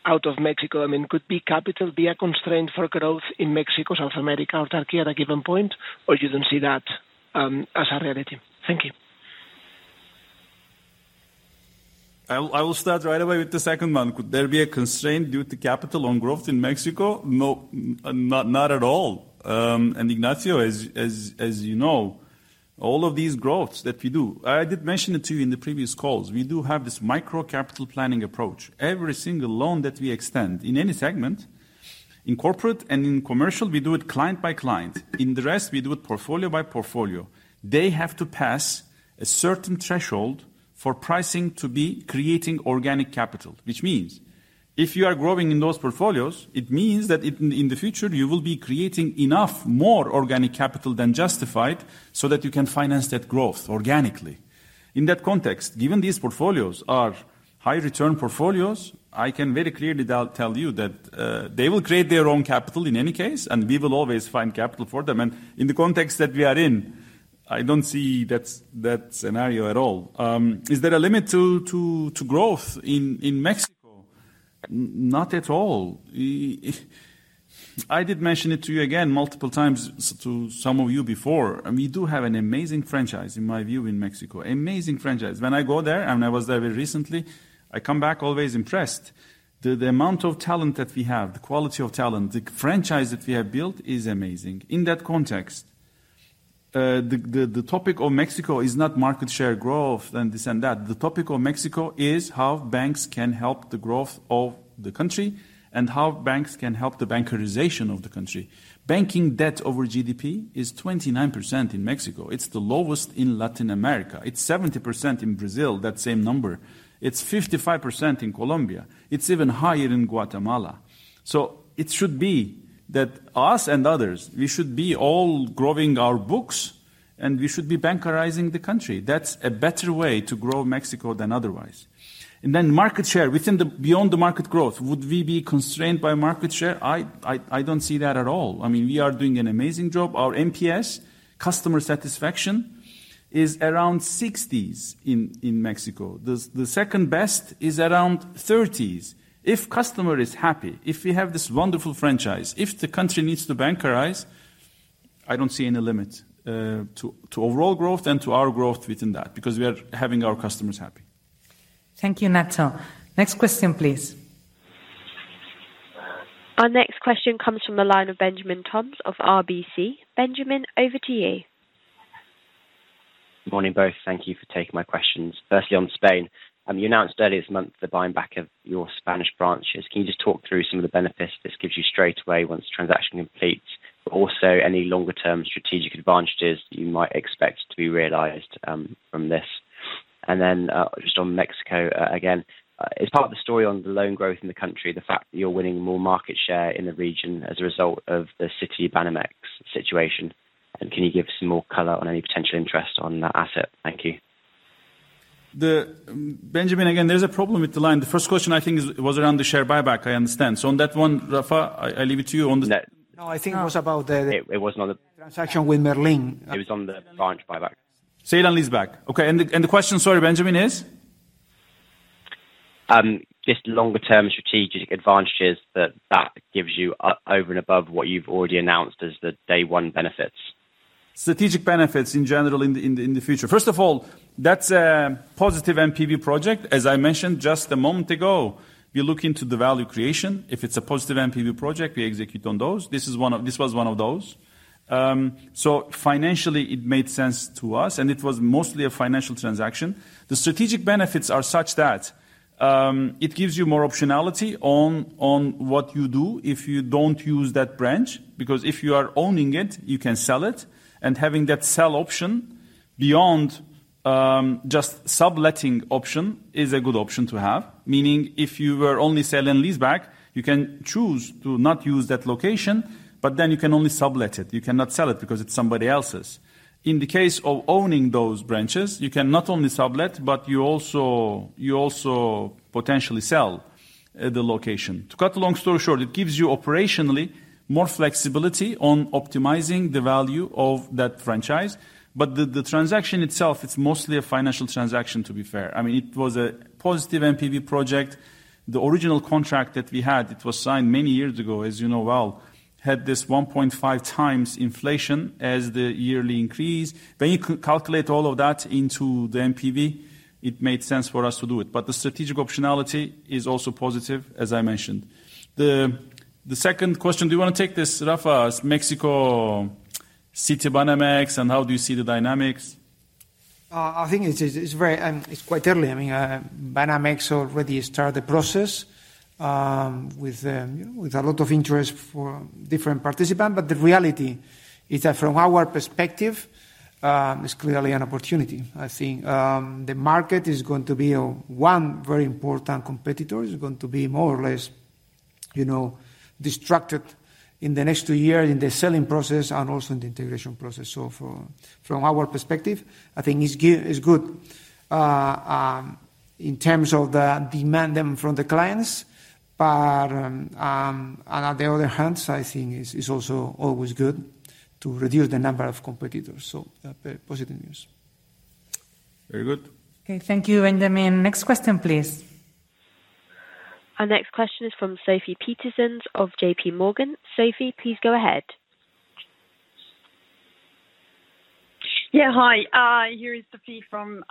out of Mexico? I mean, could capital be a constraint for growth in Mexico, South America, or Turkey at a given point, or you don't see that as a reality? Thank you. I will start right away with the second one. Could there be a constraint due to capital on growth in Mexico? No, not at all. Ignacio, as you know, all of these growths that we do, I did mention it to you in the previous calls, we do have this micro capital planning approach. Every single loan that we extend in any segment, in corporate and in commercial, we do it client by client. In the rest, we do it portfolio by portfolio. They have to pass a certain threshold for pricing to be creating organic capital, which means if you are growing in those portfolios, it means that in the future, you will be creating enough more organic capital than justified so that you can finance that growth organically. In that context, given these portfolios are high return portfolios, I can very clearly tell you that they will create their own capital in any case, and we will always find capital for them. In the context that we are in, I don't see that scenario at all. Is there a limit to growth in Mexico? Not at all. I did mention it to you again multiple times to some of you before. We do have an amazing franchise, in my view, in Mexico. Amazing franchise. When I go there, and I was there very recently, I come back always impressed. The amount of talent that we have, the quality of talent, the franchise that we have built is amazing. In that context, the topic of Mexico is not market share growth and this and that. The topic of Mexico is how banks can help the growth of the country and how banks can help the bankerization of the country. Banking debt over GDP is 29% in Mexico. It's the lowest in Latin America. It's 70% in Brazil, that same number. It's 55% in Colombia. It's even higher in Guatemala. It should be that us and others, we should be all growing our books, and we should be bankerizing the country. That's a better way to grow Mexico than otherwise. Then market share, within the, beyond the market growth, would we be constrained by market share? I don't see that at all. I mean, we are doing an amazing job. Our NPS customer satisfaction is around 60s in Mexico. The second best is around 30s. If customer is happy, if we have this wonderful franchise, if the country needs to bankerize, I don't see any limit to overall growth and to our growth within that, because we are having our customers happy. Thank you, Ignacio. Next question, please. Our next question comes from the line of Benjamin Toms of RBC. Benjamin, over to you. Morning, both. Thank you for taking my questions. Firstly, on Spain, you announced earlier this month the buying back of your Spanish branches. Can you just talk through some of the benefits this gives you straight away once transaction completes, but also any longer term strategic advantages you might expect to be realized, from this? Just on Mexico, again, is part of the story on the loan growth in the country, the fact that you're winning more market share in the region as a result of the Citibanamex situation. Can you give some more color on any potential interest in that asset? Thank you. Benjamin, again, there's a problem with the line. The first question I think is was around the share buyback, I understand. On that one, Rafa, I leave it to you on the- No, I think it was about the. It was not. transaction with Merlin. It was on the branch buyback. Sale and leaseback. Okay. The question, sorry, Benjamin, is? Just longer term strategic advantages that gives you over and above what you've already announced as the day one benefits. Strategic benefits in general in the future. First of all, that's a positive NPV project. As I mentioned just a moment ago, we look into the value creation. If it's a positive NPV project, we execute on those. This was one of those. So financially it made sense to us, and it was mostly a financial transaction. The strategic benefits are such that it gives you more optionality on what you do if you don't use that branch, because if you are owning it, you can sell it. Having that sell option beyond just subletting option is a good option to have. Meaning if you were only sale and lease back, you can choose to not use that location, but then you can only sublet it. You cannot sell it because it's somebody else's. In the case of owning those branches, you can not only sublet, but you also potentially sell the location. To cut a long story short, it gives you operationally more flexibility on optimizing the value of that franchise. The transaction itself, it's mostly a financial transaction, to be fair. I mean, it was a positive NPV project. The original contract that we had, it was signed many years ago, as you know well, had this 1.5 times inflation as the yearly increase. When you calculate all of that into the NPV, it made sense for us to do it. The strategic optionality is also positive, as I mentioned. The second question, do you wanna take this, Rafa? Is Mexico, Citibanamex, and how do you see the dynamics? I think it's quite early. I mean, Banamex already started the process with a lot of interest from different participants. The reality is that from our perspective, it's clearly an opportunity. I think the market is going to be one very important competitor is going to be more or less, you know, distracted in the next two years in the selling process and also in the integration process. From our perspective, I think it's good in terms of the demand then from the clients. On the other hand, I think it's also always good to reduce the number of competitors. Positive news. Very good. Okay, thank you, Benjamin. Next question, please. Our next question is from Sofie Peterzens of J.P. Morgan. Sophie, please go ahead. Hi, here is Sophie from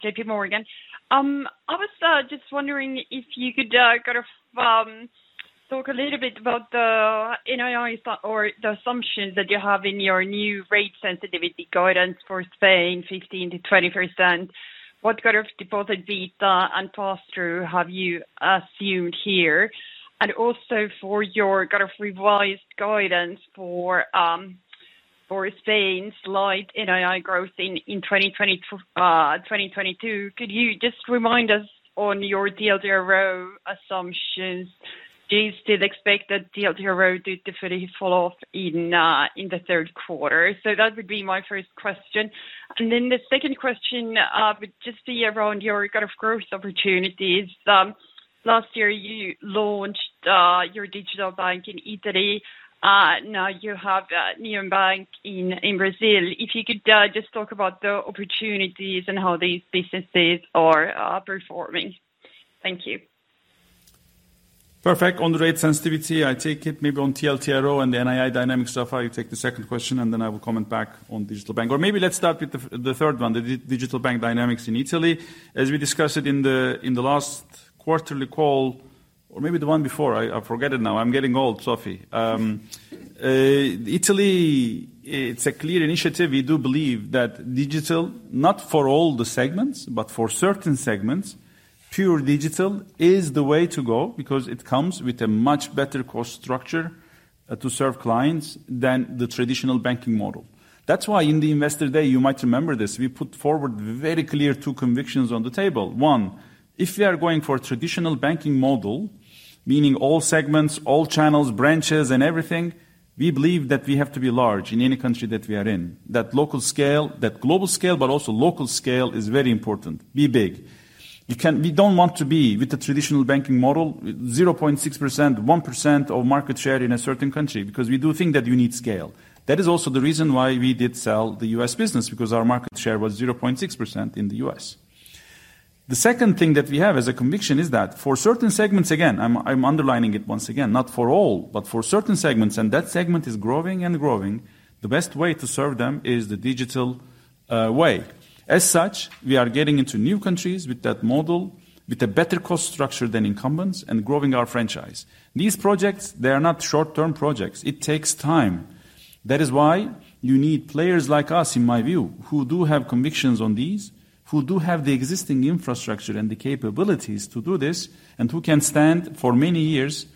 J.P. Morgan. I was just wondering if you could kind of talk a little bit about the NII or the assumptions that you have in your new rate sensitivity guidance for Spain, 15%-20%. What kind of deposit beta and pass-through have you assumed here? Also for your kind of revised guidance for Spain's slight NII growth in 2022, could you just remind us on your TLTRO assumptions? Do you still expect that TLTRO to definitely fall off in the third quarter? That would be my first question. The second question would just be around your kind of growth opportunities. Last year you launched your digital bank in Italy. Now you have Neon in Brazil. If you could, just talk about the opportunities and how these businesses are performing. Thank you. Perfect. On the rate sensitivity, I take it maybe on TLTRO and the NII dynamics, Rafa, you take the second question, and then I will comment back on digital bank. Or maybe let's start with the third one, the digital bank dynamics in Italy. As we discussed it in the last quarterly call, or maybe the one before, I forget it now. I'm getting old, Sophie. Italy, it's a clear initiative. We do believe that digital, not for all the segments, but for certain segments, pure digital is the way to go because it comes with a much better cost structure to serve clients than the traditional banking model. That's why in the Investor Day, you might remember this, we put forward very clear two convictions on the table. One, if we are going for a traditional banking model, meaning all segments, all channels, branches and everything, we believe that we have to be large in any country that we are in. That local scale, that global scale, but also local scale is very important. Be big. We don't want to be with the traditional banking model, with 0.6%, 1% of market share in a certain country, because we do think that you need scale. That is also the reason why we did sell the U.S. business, because our market share was 0.6% in the U.S. The second thing that we have as a conviction is that for certain segments, again, I'm underlining it once again, not for all, but for certain segments, and that segment is growing and growing, the best way to serve them is the digital way. As such, we are getting into new countries with that model with a better cost structure than incumbents and growing our franchise. These projects, they are not short-term projects. It takes time. That is why you need players like us, in my view, who do have convictions on these, who do have the existing infrastructure and the capabilities to do this, and who can stand for many years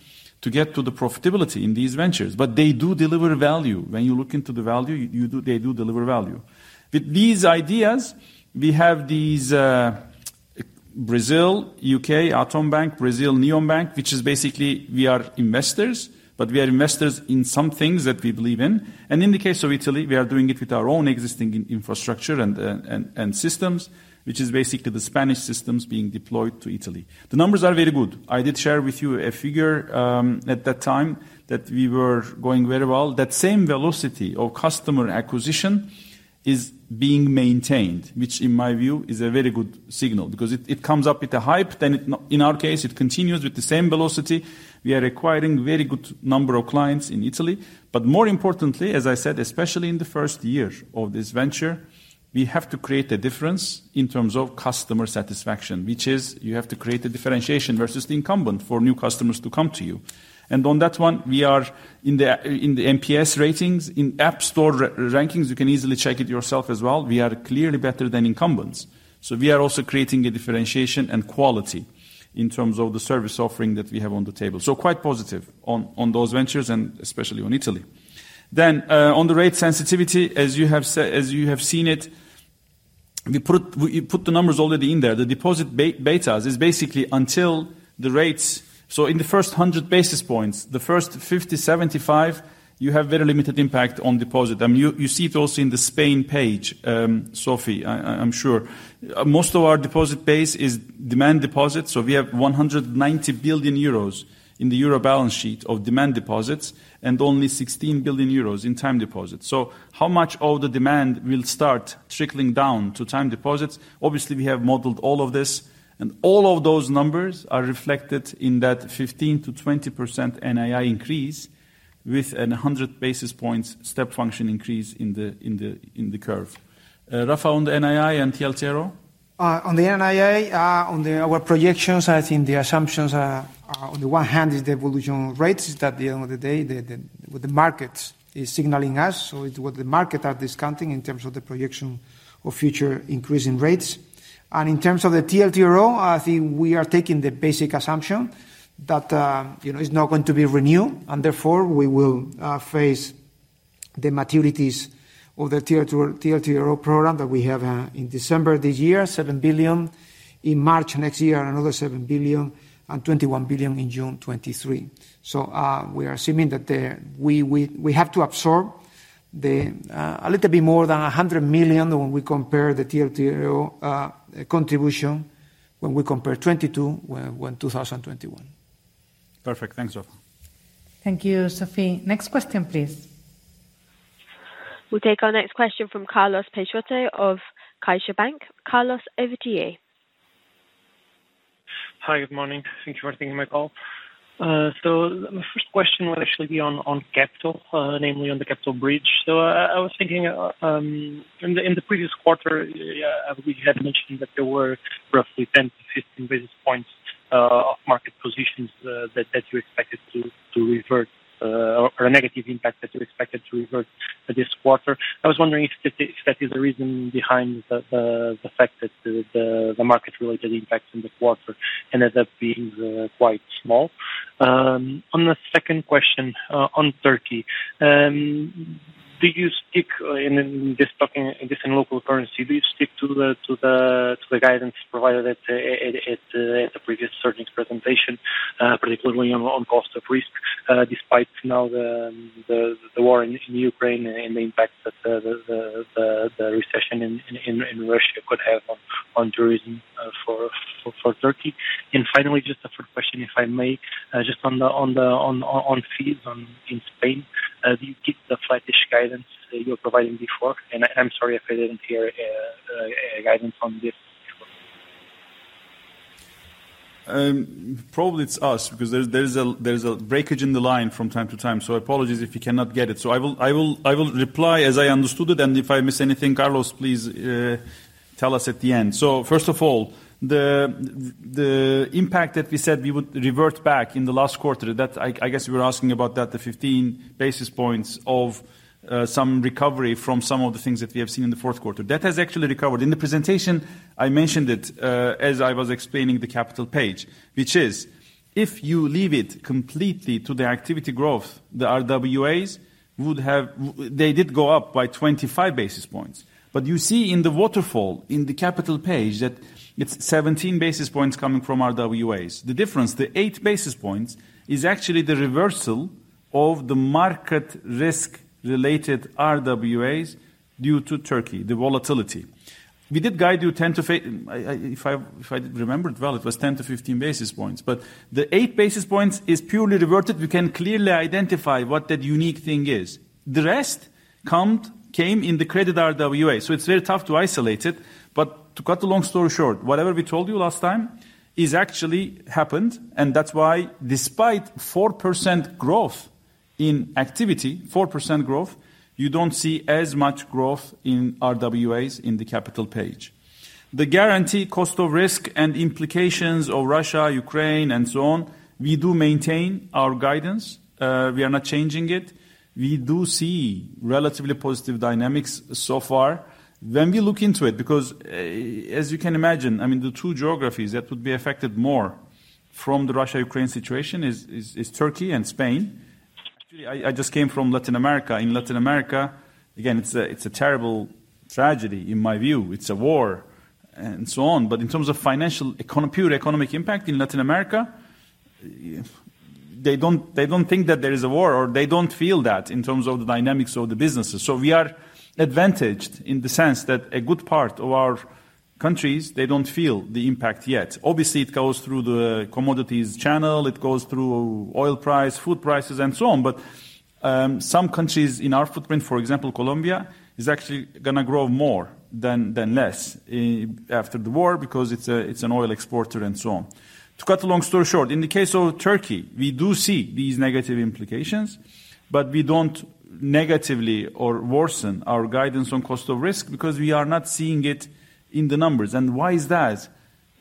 to get to the profitability in these ventures. But they do deliver value. When you look into the value, they do deliver value. With these ideas, we have these, Brazil, UK, Atom Bank, Brazil, Neon Bank, which is basically we are investors, but we are investors in some things that we believe in. In the case of Italy, we are doing it with our own existing infrastructure and systems, which is basically the Spanish systems being deployed to Italy. The numbers are very good. I did share with you a figure at that time that we were going very well. That same velocity of customer acquisition is being maintained, which in my view is a very good signal because it comes up with a hype. In our case, it continues with the same velocity. We are acquiring very good number of clients in Italy. More importantly, as I said, especially in the first year of this venture, we have to create a difference in terms of customer satisfaction, which is you have to create a differentiation versus the incumbent for new customers to come to you. On that one, we are in the NPS ratings, in App Store rankings, you can easily check it yourself as well. We are clearly better than incumbents. We are also creating a differentiation and quality in terms of the service offering that we have on the table. Quite positive on those ventures and especially on Italy. On the rate sensitivity, as you have seen it, we put the numbers already in there. The deposit betas is basically until the rates. In the first 100 basis points, the first 50, 75, you have very limited impact on deposit. You see it also in the Spain page, Sofie, I'm sure. Most of our deposit base is demand deposits, so we have 190 billion euros in the euro balance sheet of demand deposits and only 16 billion euros in time deposits. How much of the demand will start trickling down to time deposits? Obviously, we have modeled all of this, and all of those numbers are reflected in that 15%-20% NII increase with a 100 basis points step function increase in the curve. Rafa, on the NII and TLTRO. On the NII, on our projections, I think the assumptions are on the one hand the evolution of rates that at the end of the day what the market is signaling us, so it's what the market are discounting in terms of the projection of future increase in rates. In terms of the TLTRO, I think we are taking the basic assumption that, you know, it's not going to be renewed, and therefore we will face the maturities of the TLTRO program that we have in December this year, 7 billion. In March next year, another 7 billion, and 21 billion in June 2023. We are assuming that we have to absorb more than 100 million when we compare the TLTRO contribution, when we compare 2022 with 2021. Perfect. Thanks, Rafa. Thank you, Sofie. Next question, please. We'll take our next question from Carlos Peixoto of CaixaBank. Carlos, over to you. Hi, good morning. Thank you for taking my call. The first question will actually be on capital, namely on the capital bridge. I was thinking, in the previous quarter, yeah, we had mentioned that there were roughly 10 to 15 basis points of market positions that you expected to revert, or a negative impact that you expected to revert this quarter. I was wondering if that is the reason behind the fact that the market-related impacts in the quarter ended up being quite small. On the second question, on Turkey, do you stick in local currency to the guidance provided at the previous earnings presentation, particularly on cost of risk, despite now the war in Ukraine and the impact that the recession in Russia could have on tourism for Turkey. Finally, just a third question, if I may, just on the fees in Spain, do you keep the flattish guidance that you were providing before? I'm sorry if I didn't hear a guidance on this before. Probably it's us because there's a breakage in the line from time to time, so apologies if you cannot get it. I will reply as I understood it, and if I miss anything, Carlos, please tell us at the end. First of all, the impact that we said we would revert back in the last quarter, that I guess you were asking about that, the 15 basis points of some recovery from some of the things that we have seen in the fourth quarter. That has actually recovered. In the presentation, I mentioned it as I was explaining the capital page, which is if you leave it completely to the activity growth, the RWAs would have. They did go up by 25 basis points. You see in the waterfall, in the capital page, that it's 17 basis points coming from RWAs. The difference, the eight basis points, is actually the reversal of the market risk-related RWAs due to Turkey, the volatility. We did guide you 10 to fif. If I remember it well, it was 10-15 basis points. The eight basis points is purely reverted. We can clearly identify what that unique thing is. The rest came in the credit RWA. It's very tough to isolate it, but to cut a long story short, whatever we told you last time is actually happened, and that's why despite 4% growth in activity, 4% growth, you don't see as much growth in RWAs in the capital page. The guidance, cost of risk and implications of Russia, Ukraine, and so on, we do maintain our guidance. We are not changing it. We do see relatively positive dynamics so far. When we look into it, because, as you can imagine, I mean, the two geographies that would be affected more from the Russia-Ukraine situation is Turkey and Spain. Actually, I just came from Latin America. In Latin America, again, it's a terrible tragedy in my view, it's a war and so on. In terms of financial, purely economic impact in Latin America, they don't think that there is a war or they don't feel that in terms of the dynamics of the businesses. We are advantaged in the sense that a good part of our countries, they don't feel the impact yet. Obviously, it goes through the commodities channel, it goes through oil price, food prices, and so on. Some countries in our footprint, for example, Colombia, is actually gonna grow more than less after the war because it's an oil exporter and so on. To cut a long story short, in the case of Turkey, we do see these negative implications, but we don't negatively or worsen our guidance on cost of risk because we are not seeing it in the numbers. Why is that?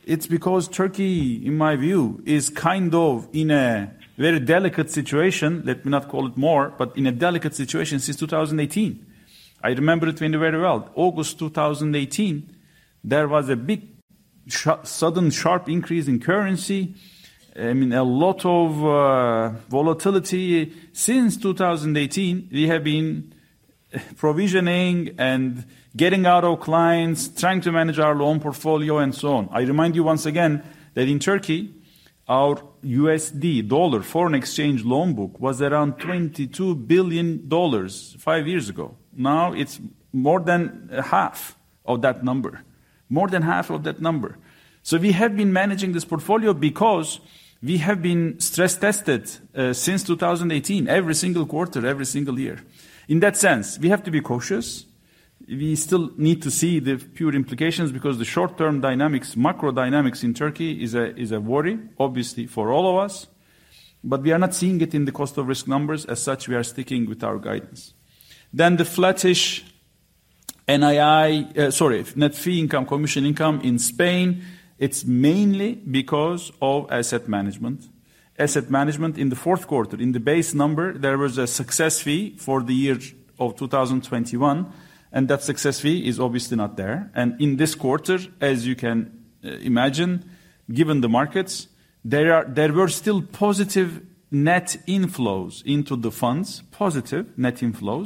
It's because Turkey, in my view, is kind of in a very delicate situation, let me not call it more, but in a delicate situation since 2018. I remember it very, very well. August 2018, there was a big sudden, sharp increase in currency, I mean, a lot of volatility. Since 2018, we have been provisioning and getting out our clients, trying to manage our loan portfolio, and so on. I remind you once again that in Turkey, our USD dollar foreign exchange loan book was around $22 billion five years ago. Now it's more than half of that number. We have been managing this portfolio because we have been stress tested since 2018, every single quarter, every single year. In that sense, we have to be cautious. We still need to see the pure implications because the short-term dynamics, macro dynamics in Turkey is a worry, obviously, for all of us. We are not seeing it in the cost of risk numbers. As such, we are sticking with our guidance. The flattish NII, sorry, net fee income, commission income in Spain, it's mainly because of asset management. Asset management in the fourth quarter, in the base number, there was a success fee for the year of 2021, and that success fee is obviously not there. In this quarter, as you can imagine, given the markets, there were still positive net inflows into the funds,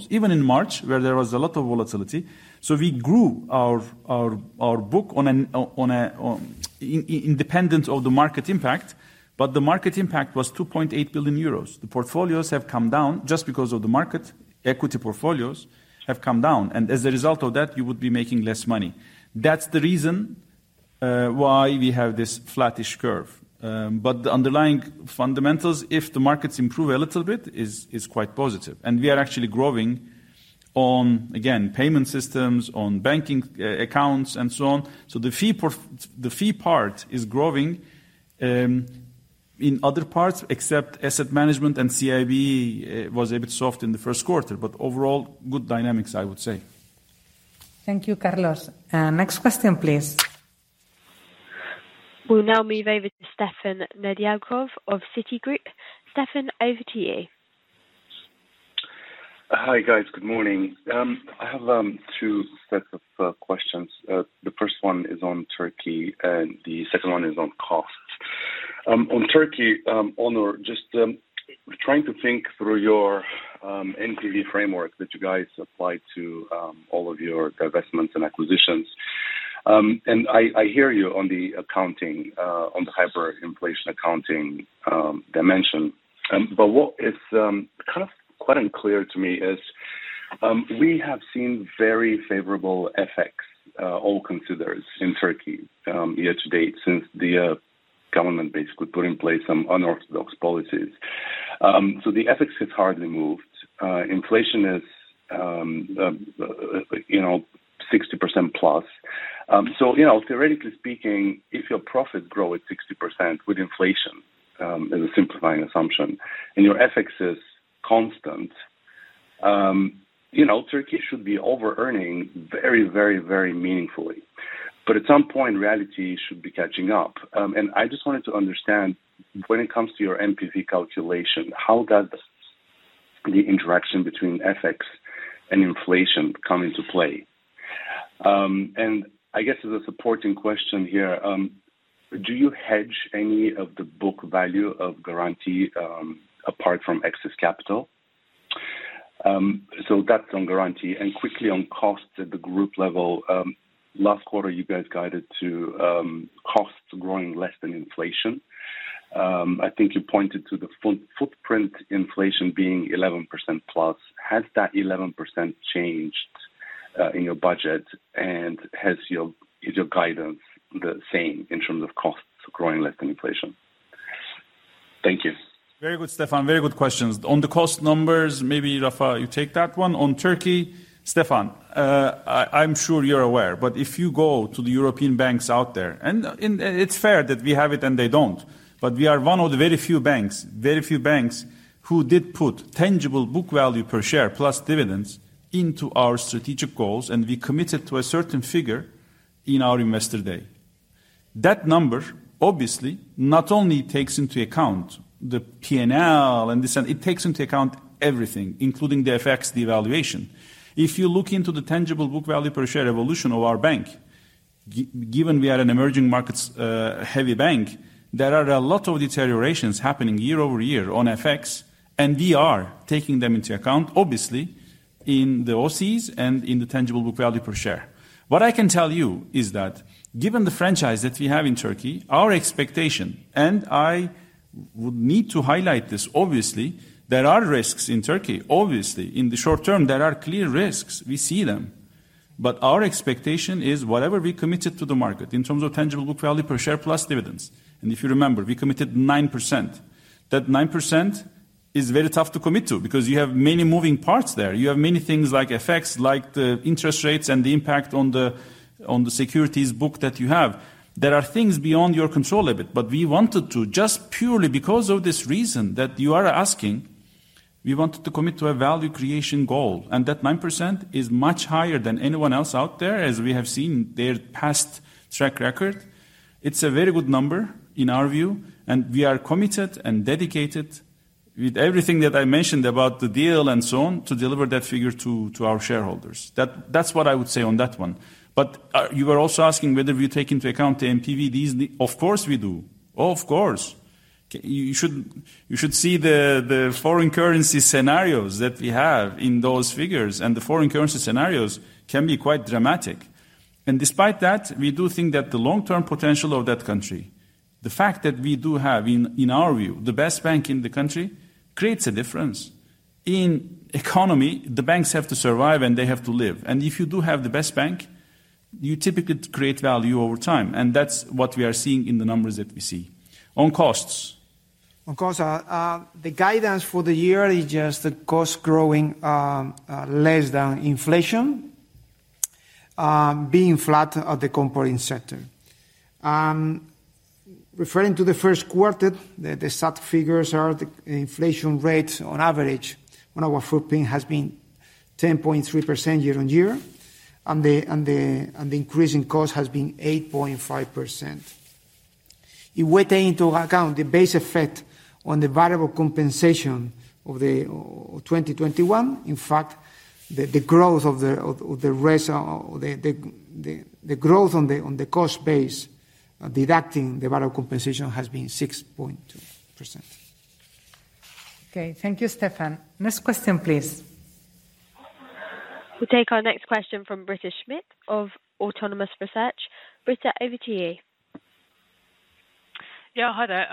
even in March, where there was a lot of volatility. We grew our book independent of the market impact, but the market impact was 2.8 billion euros. The portfolios have come down just because of the market, equity portfolios have come down. As a result of that, you would be making less money. That's the reason why we have this flattish curve. The underlying fundamentals, if the markets improve a little bit, is quite positive. We are actually growing on, again, payment systems, on banking e-accounts, and so on. The fee part is growing in other parts, except asset management and CIB was a bit soft in the first quarter. Overall, good dynamics, I would say. Thank you, Carlos. Next question, please. We'll now move over to Stefan Nedialkov of Citigroup. Stefan, over to you. Hi, guys. Good morning. I have two sets of questions. The first one is on Turkey and the second one is on costs. On Turkey, Onur, just trying to think through your NPV framework that you guys apply to all of your investments and acquisitions. I hear you on the accounting on the hyperinflation accounting dimension. What is kind of quite unclear to me is we have seen very favorable FX all things considered in Turkey year to date since the government basically put in place some unorthodox policies. The FX has hardly moved. Inflation is you know, 60%+. You know, theoretically speaking, if your profits grow at 60% with inflation, as a simplifying assumption, and your FX is constant, you know, Turkey should be overearning very meaningfully. At some point, reality should be catching up. I just wanted to understand when it comes to your NPV calculation, how does the interaction between FX and inflation come into play? I guess as a supporting question here, do you hedge any of the book value of Garanti, apart from excess capital? That's on Garanti. Quickly on costs at the group level, last quarter, you guys guided to costs growing less than inflation. I think you pointed to the footprint inflation being 11%+. Has that 11% changed, in your budget? Has your... Is your guidance the same in terms of costs growing less than inflation? Thank you. Very good, Stefan. Very good questions. On the cost numbers, maybe Rafael, you take that one. On Turkey, Stefan, I'm sure you're aware, but if you go to the European banks out there, and it's fair that we have it and they don't. We are one of the very few banks who did put tangible book value per share plus dividends into our strategic goals, and we committed to a certain figure in our investor day. That number, obviously, not only takes into account the P&L and this and. It takes into account everything, including the FX devaluation. If you look into the tangible book value per share evolution of our bank, given we are an emerging markets heavy bank, there are a lot of deteriorations happening year-over-year on FX, and we are taking them into account, obviously, in the OCI and in the tangible book value per share. What I can tell you is that given the franchise that we have in Turkey, our expectation, and I would need to highlight this, obviously, there are risks in Turkey. Obviously, in the short term, there are clear risks. We see them. Our expectation is whatever we committed to the market in terms of tangible book value per share plus dividends, and if you remember, we committed 9%. That 9% is very tough to commit to because you have many moving parts there. You have many things like effects, like the interest rates and the impact on the securities book that you have. There are things beyond your control a bit. We wanted to commit to a value creation goal, just purely because of this reason that you are asking, and that 9% is much higher than anyone else out there as we have seen their past track record. It's a very good number in our view, and we are committed and dedicated with everything that I mentioned about the deal and so on to deliver that figure to our shareholders. That's what I would say on that one. You were also asking whether we take into account the NPVs. Of course we do. Of course. You should see the foreign currency scenarios that we have in those figures, and the foreign currency scenarios can be quite dramatic. Despite that, we do think that the long-term potential of that country, the fact that we do have, in our view, the best bank in the country, creates a difference. In economy, the banks have to survive, and they have to live. If you do have the best bank, you typically create value over time, and that's what we are seeing in the numbers that we see. On costs. On costs, the guidance for the year is just the cost growing less than inflation, being flat at the comparable sector. Referring to the first quarter, the sub figures are the inflation rate on average on our footprint has been 10.3% year-on-year, and the increase in cost has been 8.5%. If we take into account the base effect on the variable compensation of 2021, in fact, the growth of the rest, the growth on the cost base deducting the variable compensation has been 6.2%. Okay. Thank you, Stefan. Next question, please. We'll take our next question from Britta Schmidt of Autonomous Research. Britta, over to you. Yeah. Hi there.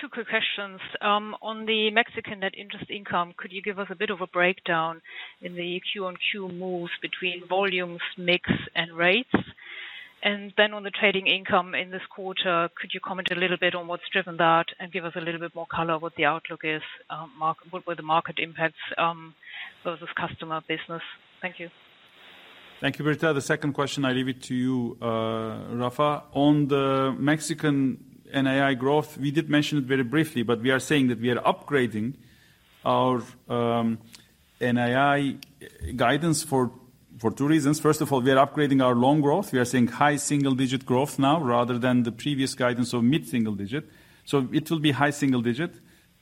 Two quick questions. On the Mexican net interest income, could you give us a bit of a breakdown in the Q-on-Q moves between volumes, mix, and rates? On the trading income in this quarter, could you comment a little bit on what's driven that and give us a little bit more color on what the outlook is, what the market impacts were versus customer business? Thank you. Thank you, Britta. The second question, I leave it to you, Rafa. On the Mexican NII growth, we did mention it very briefly, but we are saying that we are upgrading our NII guidance for two reasons. First of all, we are upgrading our loan growth. We are seeing high single-digit growth now rather than the previous guidance of mid-single-digit. It will be high single-digit,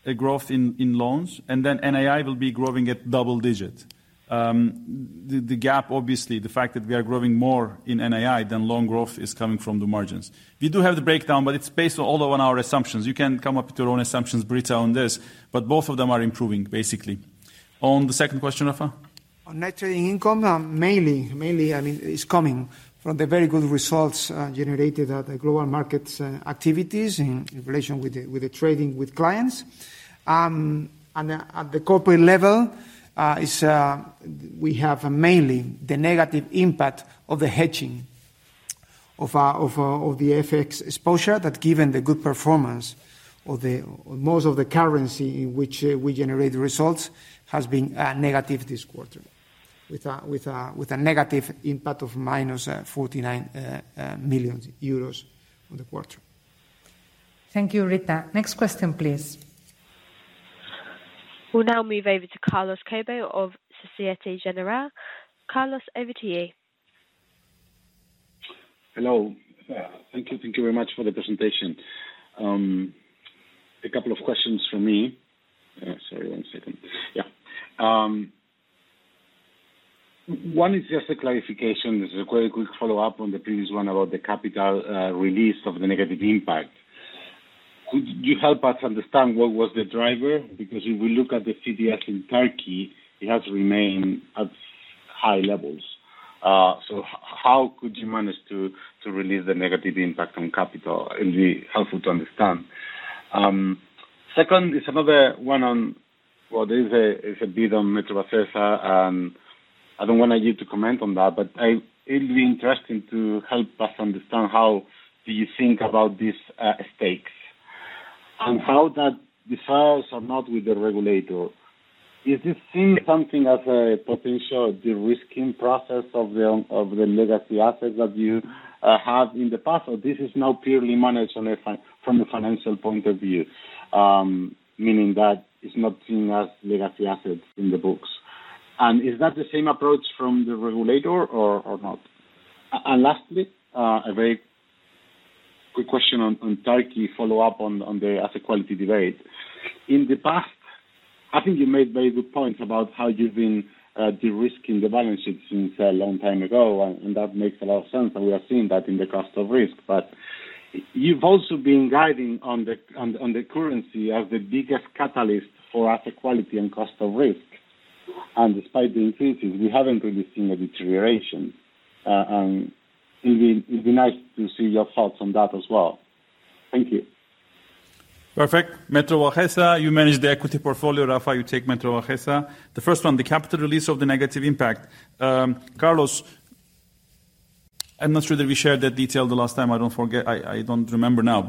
the growth in loans, and then NII will be growing at double-digit. The gap, obviously, the fact that we are growing more in NII than loan growth is coming from the margins. We do have the breakdown, but it's based all on our assumptions. You can come up with your own assumptions, Britta, on this, but both of them are improving, basically. On the second question, Rafa? On net trading income, mainly, I mean, it's coming from the very good results generated at the global markets activities in relation with the trading with clients. At the corporate level, we have mainly the negative impact of the hedging of the FX exposure that given the good performance of the most of the currency in which we generate results has been negative this quarter with a negative impact of -49 million euros for the quarter. Thank you, Britta. Next question, please. We'll now move over to Carlos Cobo of Société Générale. Carlos, over to you. Hello. Thank you. Thank you very much for the presentation. A couple of questions from me. One is just a clarification. This is a very quick follow-up on the previous one about the capital release of the negative impact. Could you help us understand what was the driver? Because if we look at the CDS in Turkey, it has remained at high levels. So how could you manage to release the negative impact on capital? It'll be helpful to understand. Second is another one on. Well, there is a bid on Metrovacesa, and I don't want you to comment on that, but it'll be interesting to help us understand how do you think about these stakes, and how that resolves or not with the regulator. Is this seen as something as a potential de-risking process of the legacy assets that you had in the past? Or this is now purely managed only from a financial point of view, meaning that it's not seen as legacy assets in the books. Is that the same approach from the regulator or not? Lastly, a very quick question on Turkey, follow up on the asset quality debate. In the past, I think you made very good points about how you've been de-risking the balance sheet since a long time ago, and that makes a lot of sense, and we are seeing that in the cost of risk. You've also been guiding on the currency as the biggest catalyst for asset quality and cost of risk. Despite the increases, we haven't really seen a deterioration. It'd be nice to see your thoughts on that as well. Thank you. Perfect. Metrovacesa, you manage the equity portfolio. Rafa, you take Metrovacesa. The first one, the capital release of the negative impact. Carlos, I'm not sure that we shared that detail the last time. I don't forget. I don't remember now.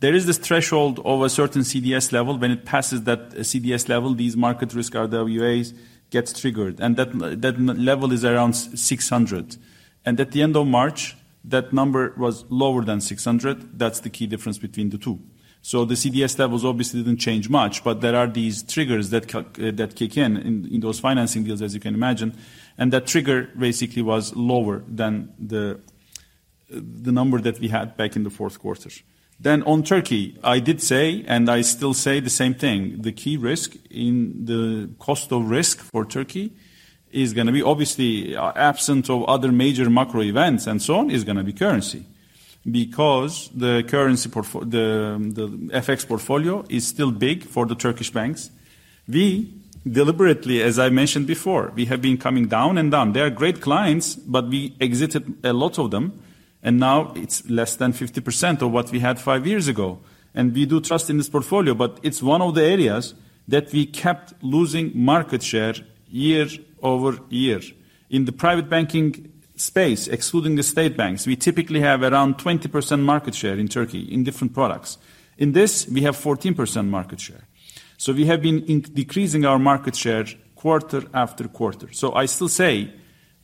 There is this threshold of a certain CDS level. When it passes that CDS level, these market risk RWAs get triggered, and that level is around 600. At the end of March, that number was lower than 600. That's the key difference between the two. The CDS levels obviously didn't change much, but there are these triggers that kick in those financing deals, as you can imagine, and that trigger basically was lower than the number that we had back in the fourth quarter. On Turkey, I did say, and I still say the same thing, the key risk in the cost of risk for Turkey is gonna be obviously, absent of other major macro events and so on, is gonna be currency. Because the FX portfolio is still big for the Turkish banks. We deliberately, as I mentioned before, we have been coming down and down. They are great clients, but we exited a lot of them, and now it's less than 50% of what we had five years ago. We do trust in this portfolio, but it's one of the areas that we kept losing market share year-over-year. In the private banking space, excluding the state banks, we typically have around 20% market share in Turkey in different products. In this, we have 14% market share. We have been decreasing our market share quarter after quarter. I still say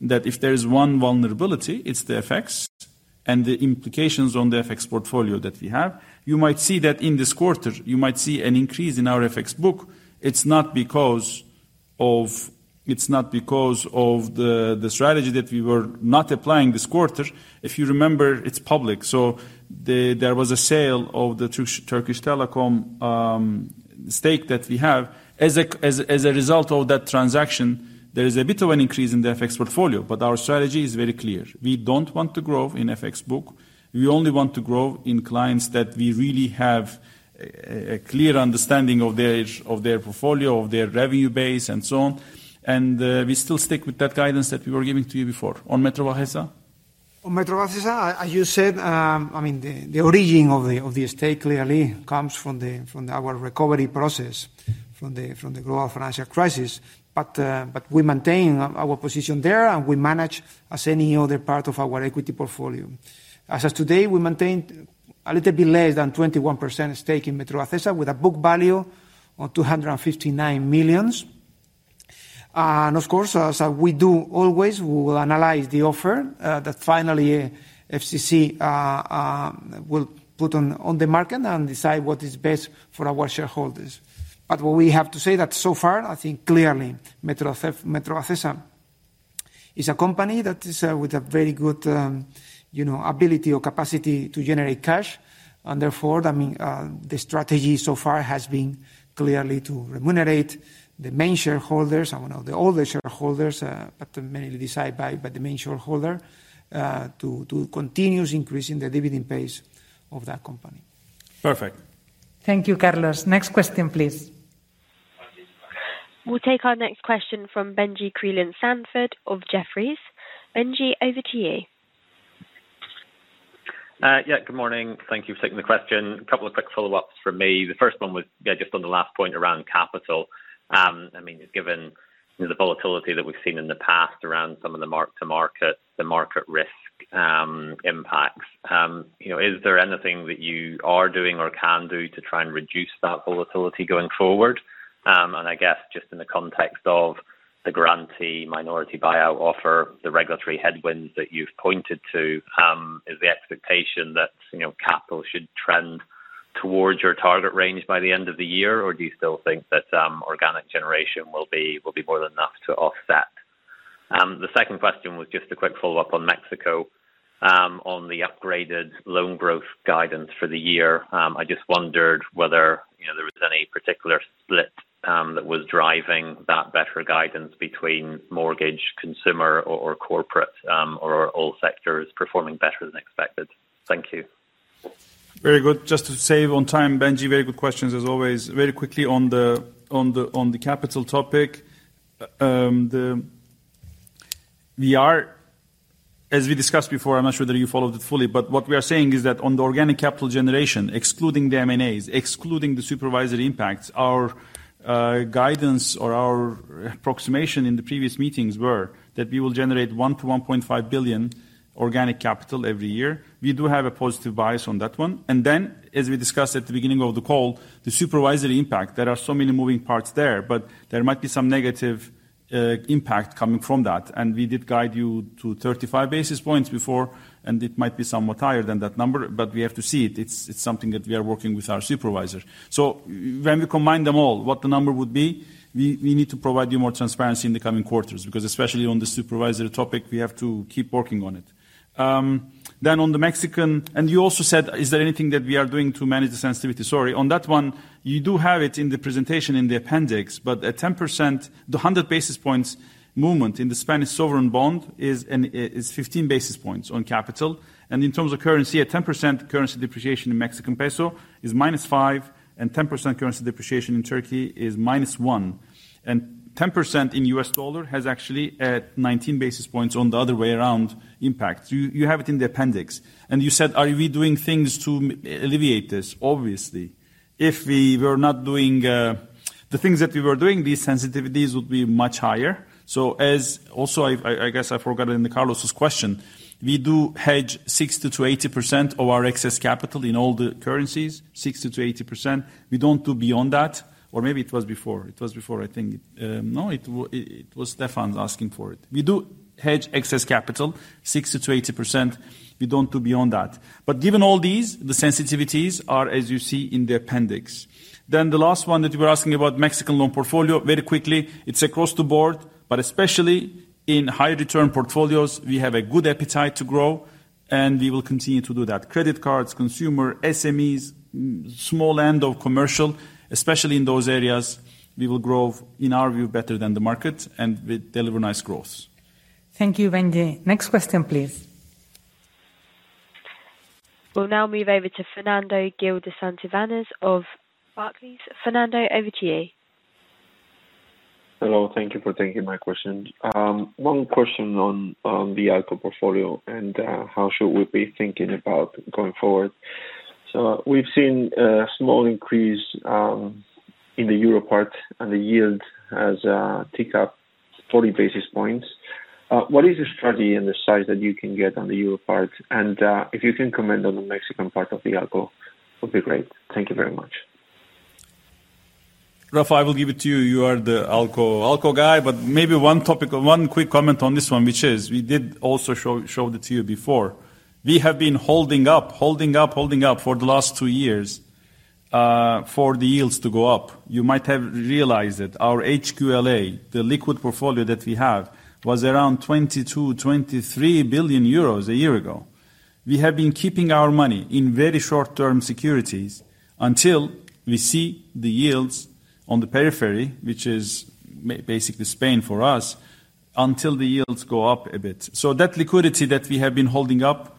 that if there is one vulnerability, it's the FX and the implications on the FX portfolio that we have. You might see that in this quarter, you might see an increase in our FX book. It's not because of the strategy that we were not applying this quarter. If you remember, it's public, there was a sale of the Türk Telekom stake that we have. As a result of that transaction, there is a bit of an increase in the FX portfolio. But our strategy is very clear. We don't want to grow in FX book. We only want to grow in clients that we really have a clear understanding of their portfolio, of their revenue base, and so on. We still stick with that guidance that we were giving to you before. On Metrovacesa? On Metrovacesa, as you said, I mean, the origin of the stake clearly comes from our recovery process from the global financial crisis. But we maintain our position there, and we manage as any other part of our equity portfolio. As of today, we maintain a little bit less than 21% stake in Metrovacesa with a book value of 259 million. Of course, as we always do, we will analyze the offer that finally FCC will put on the market and decide what is best for our shareholders. What we have to say that so far, I think clearly Metrovacesa is a company that is, with a very good, you know, ability or capacity to generate cash, and therefore, I mean, the strategy so far has been clearly to remunerate the main shareholders and, well, the older shareholders, but mainly decided by the main shareholder, to continuous increasing the dividend base of that company. Perfect. Thank you, Carlos. Next question, please. We'll take our next question from Benji, over to you. Good morning. Thank you for taking the question. A couple of quick follow-ups from me. The first one was, just on the last point around capital. I mean, given, you know, the volatility that we've seen in the past around some of the mark-to-market, the market risk, impacts, you know, is there anything that you are doing or can do to try and reduce that volatility going forward? I guess just in the context of the Garanti minority buyout offer, the regulatory headwinds that you've pointed to, is the expectation that, you know, capital should trend towards your target range by the end of the year, or do you still think that, organic generation will be more than enough to offset? The second question was just a quick follow-up on Mexico, on the upgraded loan growth guidance for the year. I just wondered whether, you know, there was any particular split, that was driving that better guidance between mortgage, consumer or corporate, or all sectors performing better than expected. Thank you. Very good. Just to save on time, Benji, very good questions as always. Very quickly on the capital topic. As we discussed before, I'm not sure that you followed it fully, but what we are saying is that on the organic capital generation, excluding the M&As, excluding the supervisory impacts, our guidance or our approximation in the previous meetings were that we will generate 1-1.5 billion organic capital every year. We do have a positive bias on that one. Then as we discussed at the beginning of the call, the supervisory impact, there are so many moving parts there, but there might be some negative impact coming from that. We did guide you to 35 basis points before, and it might be somewhat higher than that number, but we have to see it. It's something that we are working with our supervisor. When we combine them all, what the number would be, we need to provide you more transparency in the coming quarters, because especially on the supervisory topic, we have to keep working on it. On the Mexican. You also said, is there anything that we are doing to manage the sensitivity? Sorry. On that one, you do have it in the presentation in the appendix, but at 10%, the 100 basis points movement in the Spanish sovereign bond is 15 basis points on capital. In terms of currency, at 10% currency depreciation in Mexican peso is -5, and 10% currency depreciation in Turkey is -1. 10% in US dollar has actually, 19 basis points on the other way around impact. You have it in the appendix. You said, are we doing things to alleviate this? Obviously. If we were not doing the things that we were doing, these sensitivities would be much higher. I also guess I forgot it in Carlos's question, we do hedge 60%-80% of our excess capital in all the currencies, 60%-80%. We don't do beyond that. Or maybe it was before. It was before, I think. No, it was Stefan asking for it. We do hedge excess capital 60%-80%. We don't do beyond that. Given all these, the sensitivities are as you see in the appendix. The last one that you were asking about, Mexican loan portfolio. Very quickly, it's across the board, but especially in high return portfolios, we have a good appetite to grow, and we will continue to do that. Credit cards, consumer, SMEs, mid-small end of commercial, especially in those areas, we will grow, in our view, better than the market and deliver nice growth. Thank you, Benjie. Next question, please. We'll now move over to Fernando Gil de Santivañes of Barclays. Fernando, over to you. Hello. Thank you for taking my question. One question on the ALCO portfolio and how should we be thinking about going forward? We've seen a small increase in the Euro part and the yield has ticked up 40 basis points. What is your strategy and the size that you can get on the Euro part? And if you can comment on the Mexican part of the ALCO, would be great. Thank you very much. Rafa, I will give it to you. You are the ALCO guy. Maybe one topic, one quick comment on this one, which is we did also show it to you before. We have been holding up for the last 2 years for the yields to go up. You might have realized that our HQLA, the liquid portfolio that we have, was around 22 billion-23 billion euros a year ago. We have been keeping our money in very short-term securities until we see the yields on the periphery, which is basically Spain for us, until the yields go up a bit. So that liquidity that we have been holding up,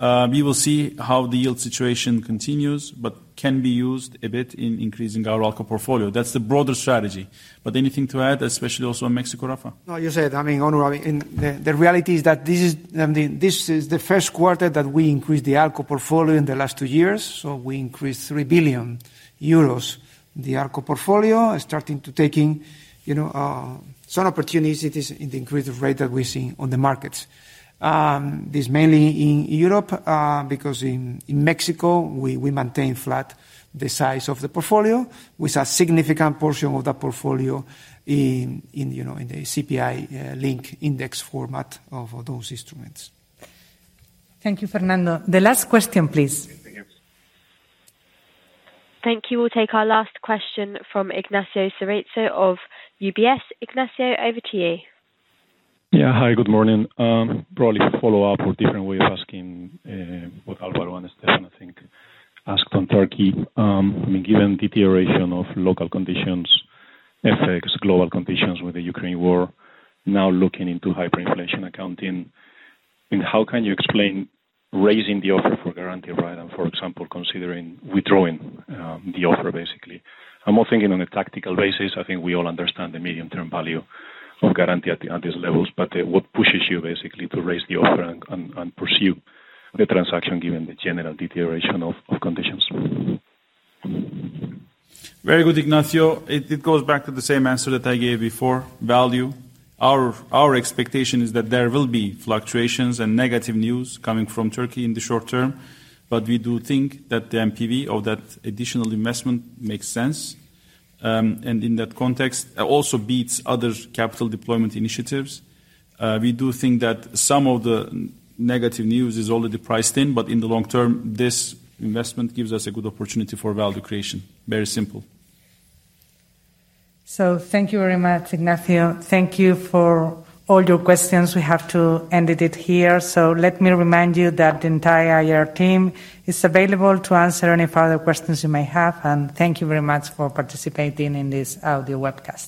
we will see how the yield situation continues, but can be used a bit in increasing our ALCO portfolio. That's the broader strategy. Anything to add, especially also on Mexico, Rafa? No, you said, I mean, Onur, I mean, the reality is that this is, I mean, this is the first quarter that we increased the ALCO portfolio in the last two years, so we increased 3 billion euros. The ALCO portfolio is starting to take, you know, some opportunities in the increase in rates that we're seeing in the markets. This mainly in Europe, because in Mexico, we maintain flat the size of the portfolio with a significant portion of that portfolio in, you know, in the CPI-linked instruments. Thank you, Fernando. The last question, please. Thank you. We'll take our last question from Ignacio Cerezo of UBS. Ignacio, over to you. Yeah. Hi, good morning. Probably to follow up or different way of asking what Alvaro and Stefan, I think, asked on Turkey. I mean, given deterioration of local conditions, FX, global conditions with the Ukraine war, now looking into hyperinflation accounting, I mean, how can you explain raising the offer for Garanti, right? For example, considering withdrawing the offer, basically. I'm more thinking on a tactical basis. I think we all understand the medium-term value of Garanti at these levels, but what pushes you basically to raise the offer and pursue the transaction given the general deterioration of conditions? Very good, Ignacio. It goes back to the same answer that I gave before, value. Our expectation is that there will be fluctuations and negative news coming from Turkey in the short term, but we do think that the NPV of that additional investment makes sense, and in that context, also beats other capital deployment initiatives. We do think that some of the negative news is already priced in, but in the long term, this investment gives us a good opportunity for value creation. Very simple. Thank you very much, Ignacio. Thank you for all your questions. We have to end it here. Let me remind you that the entire IR team is available to answer any further questions you may have. Thank you very much for participating in this audio webcast.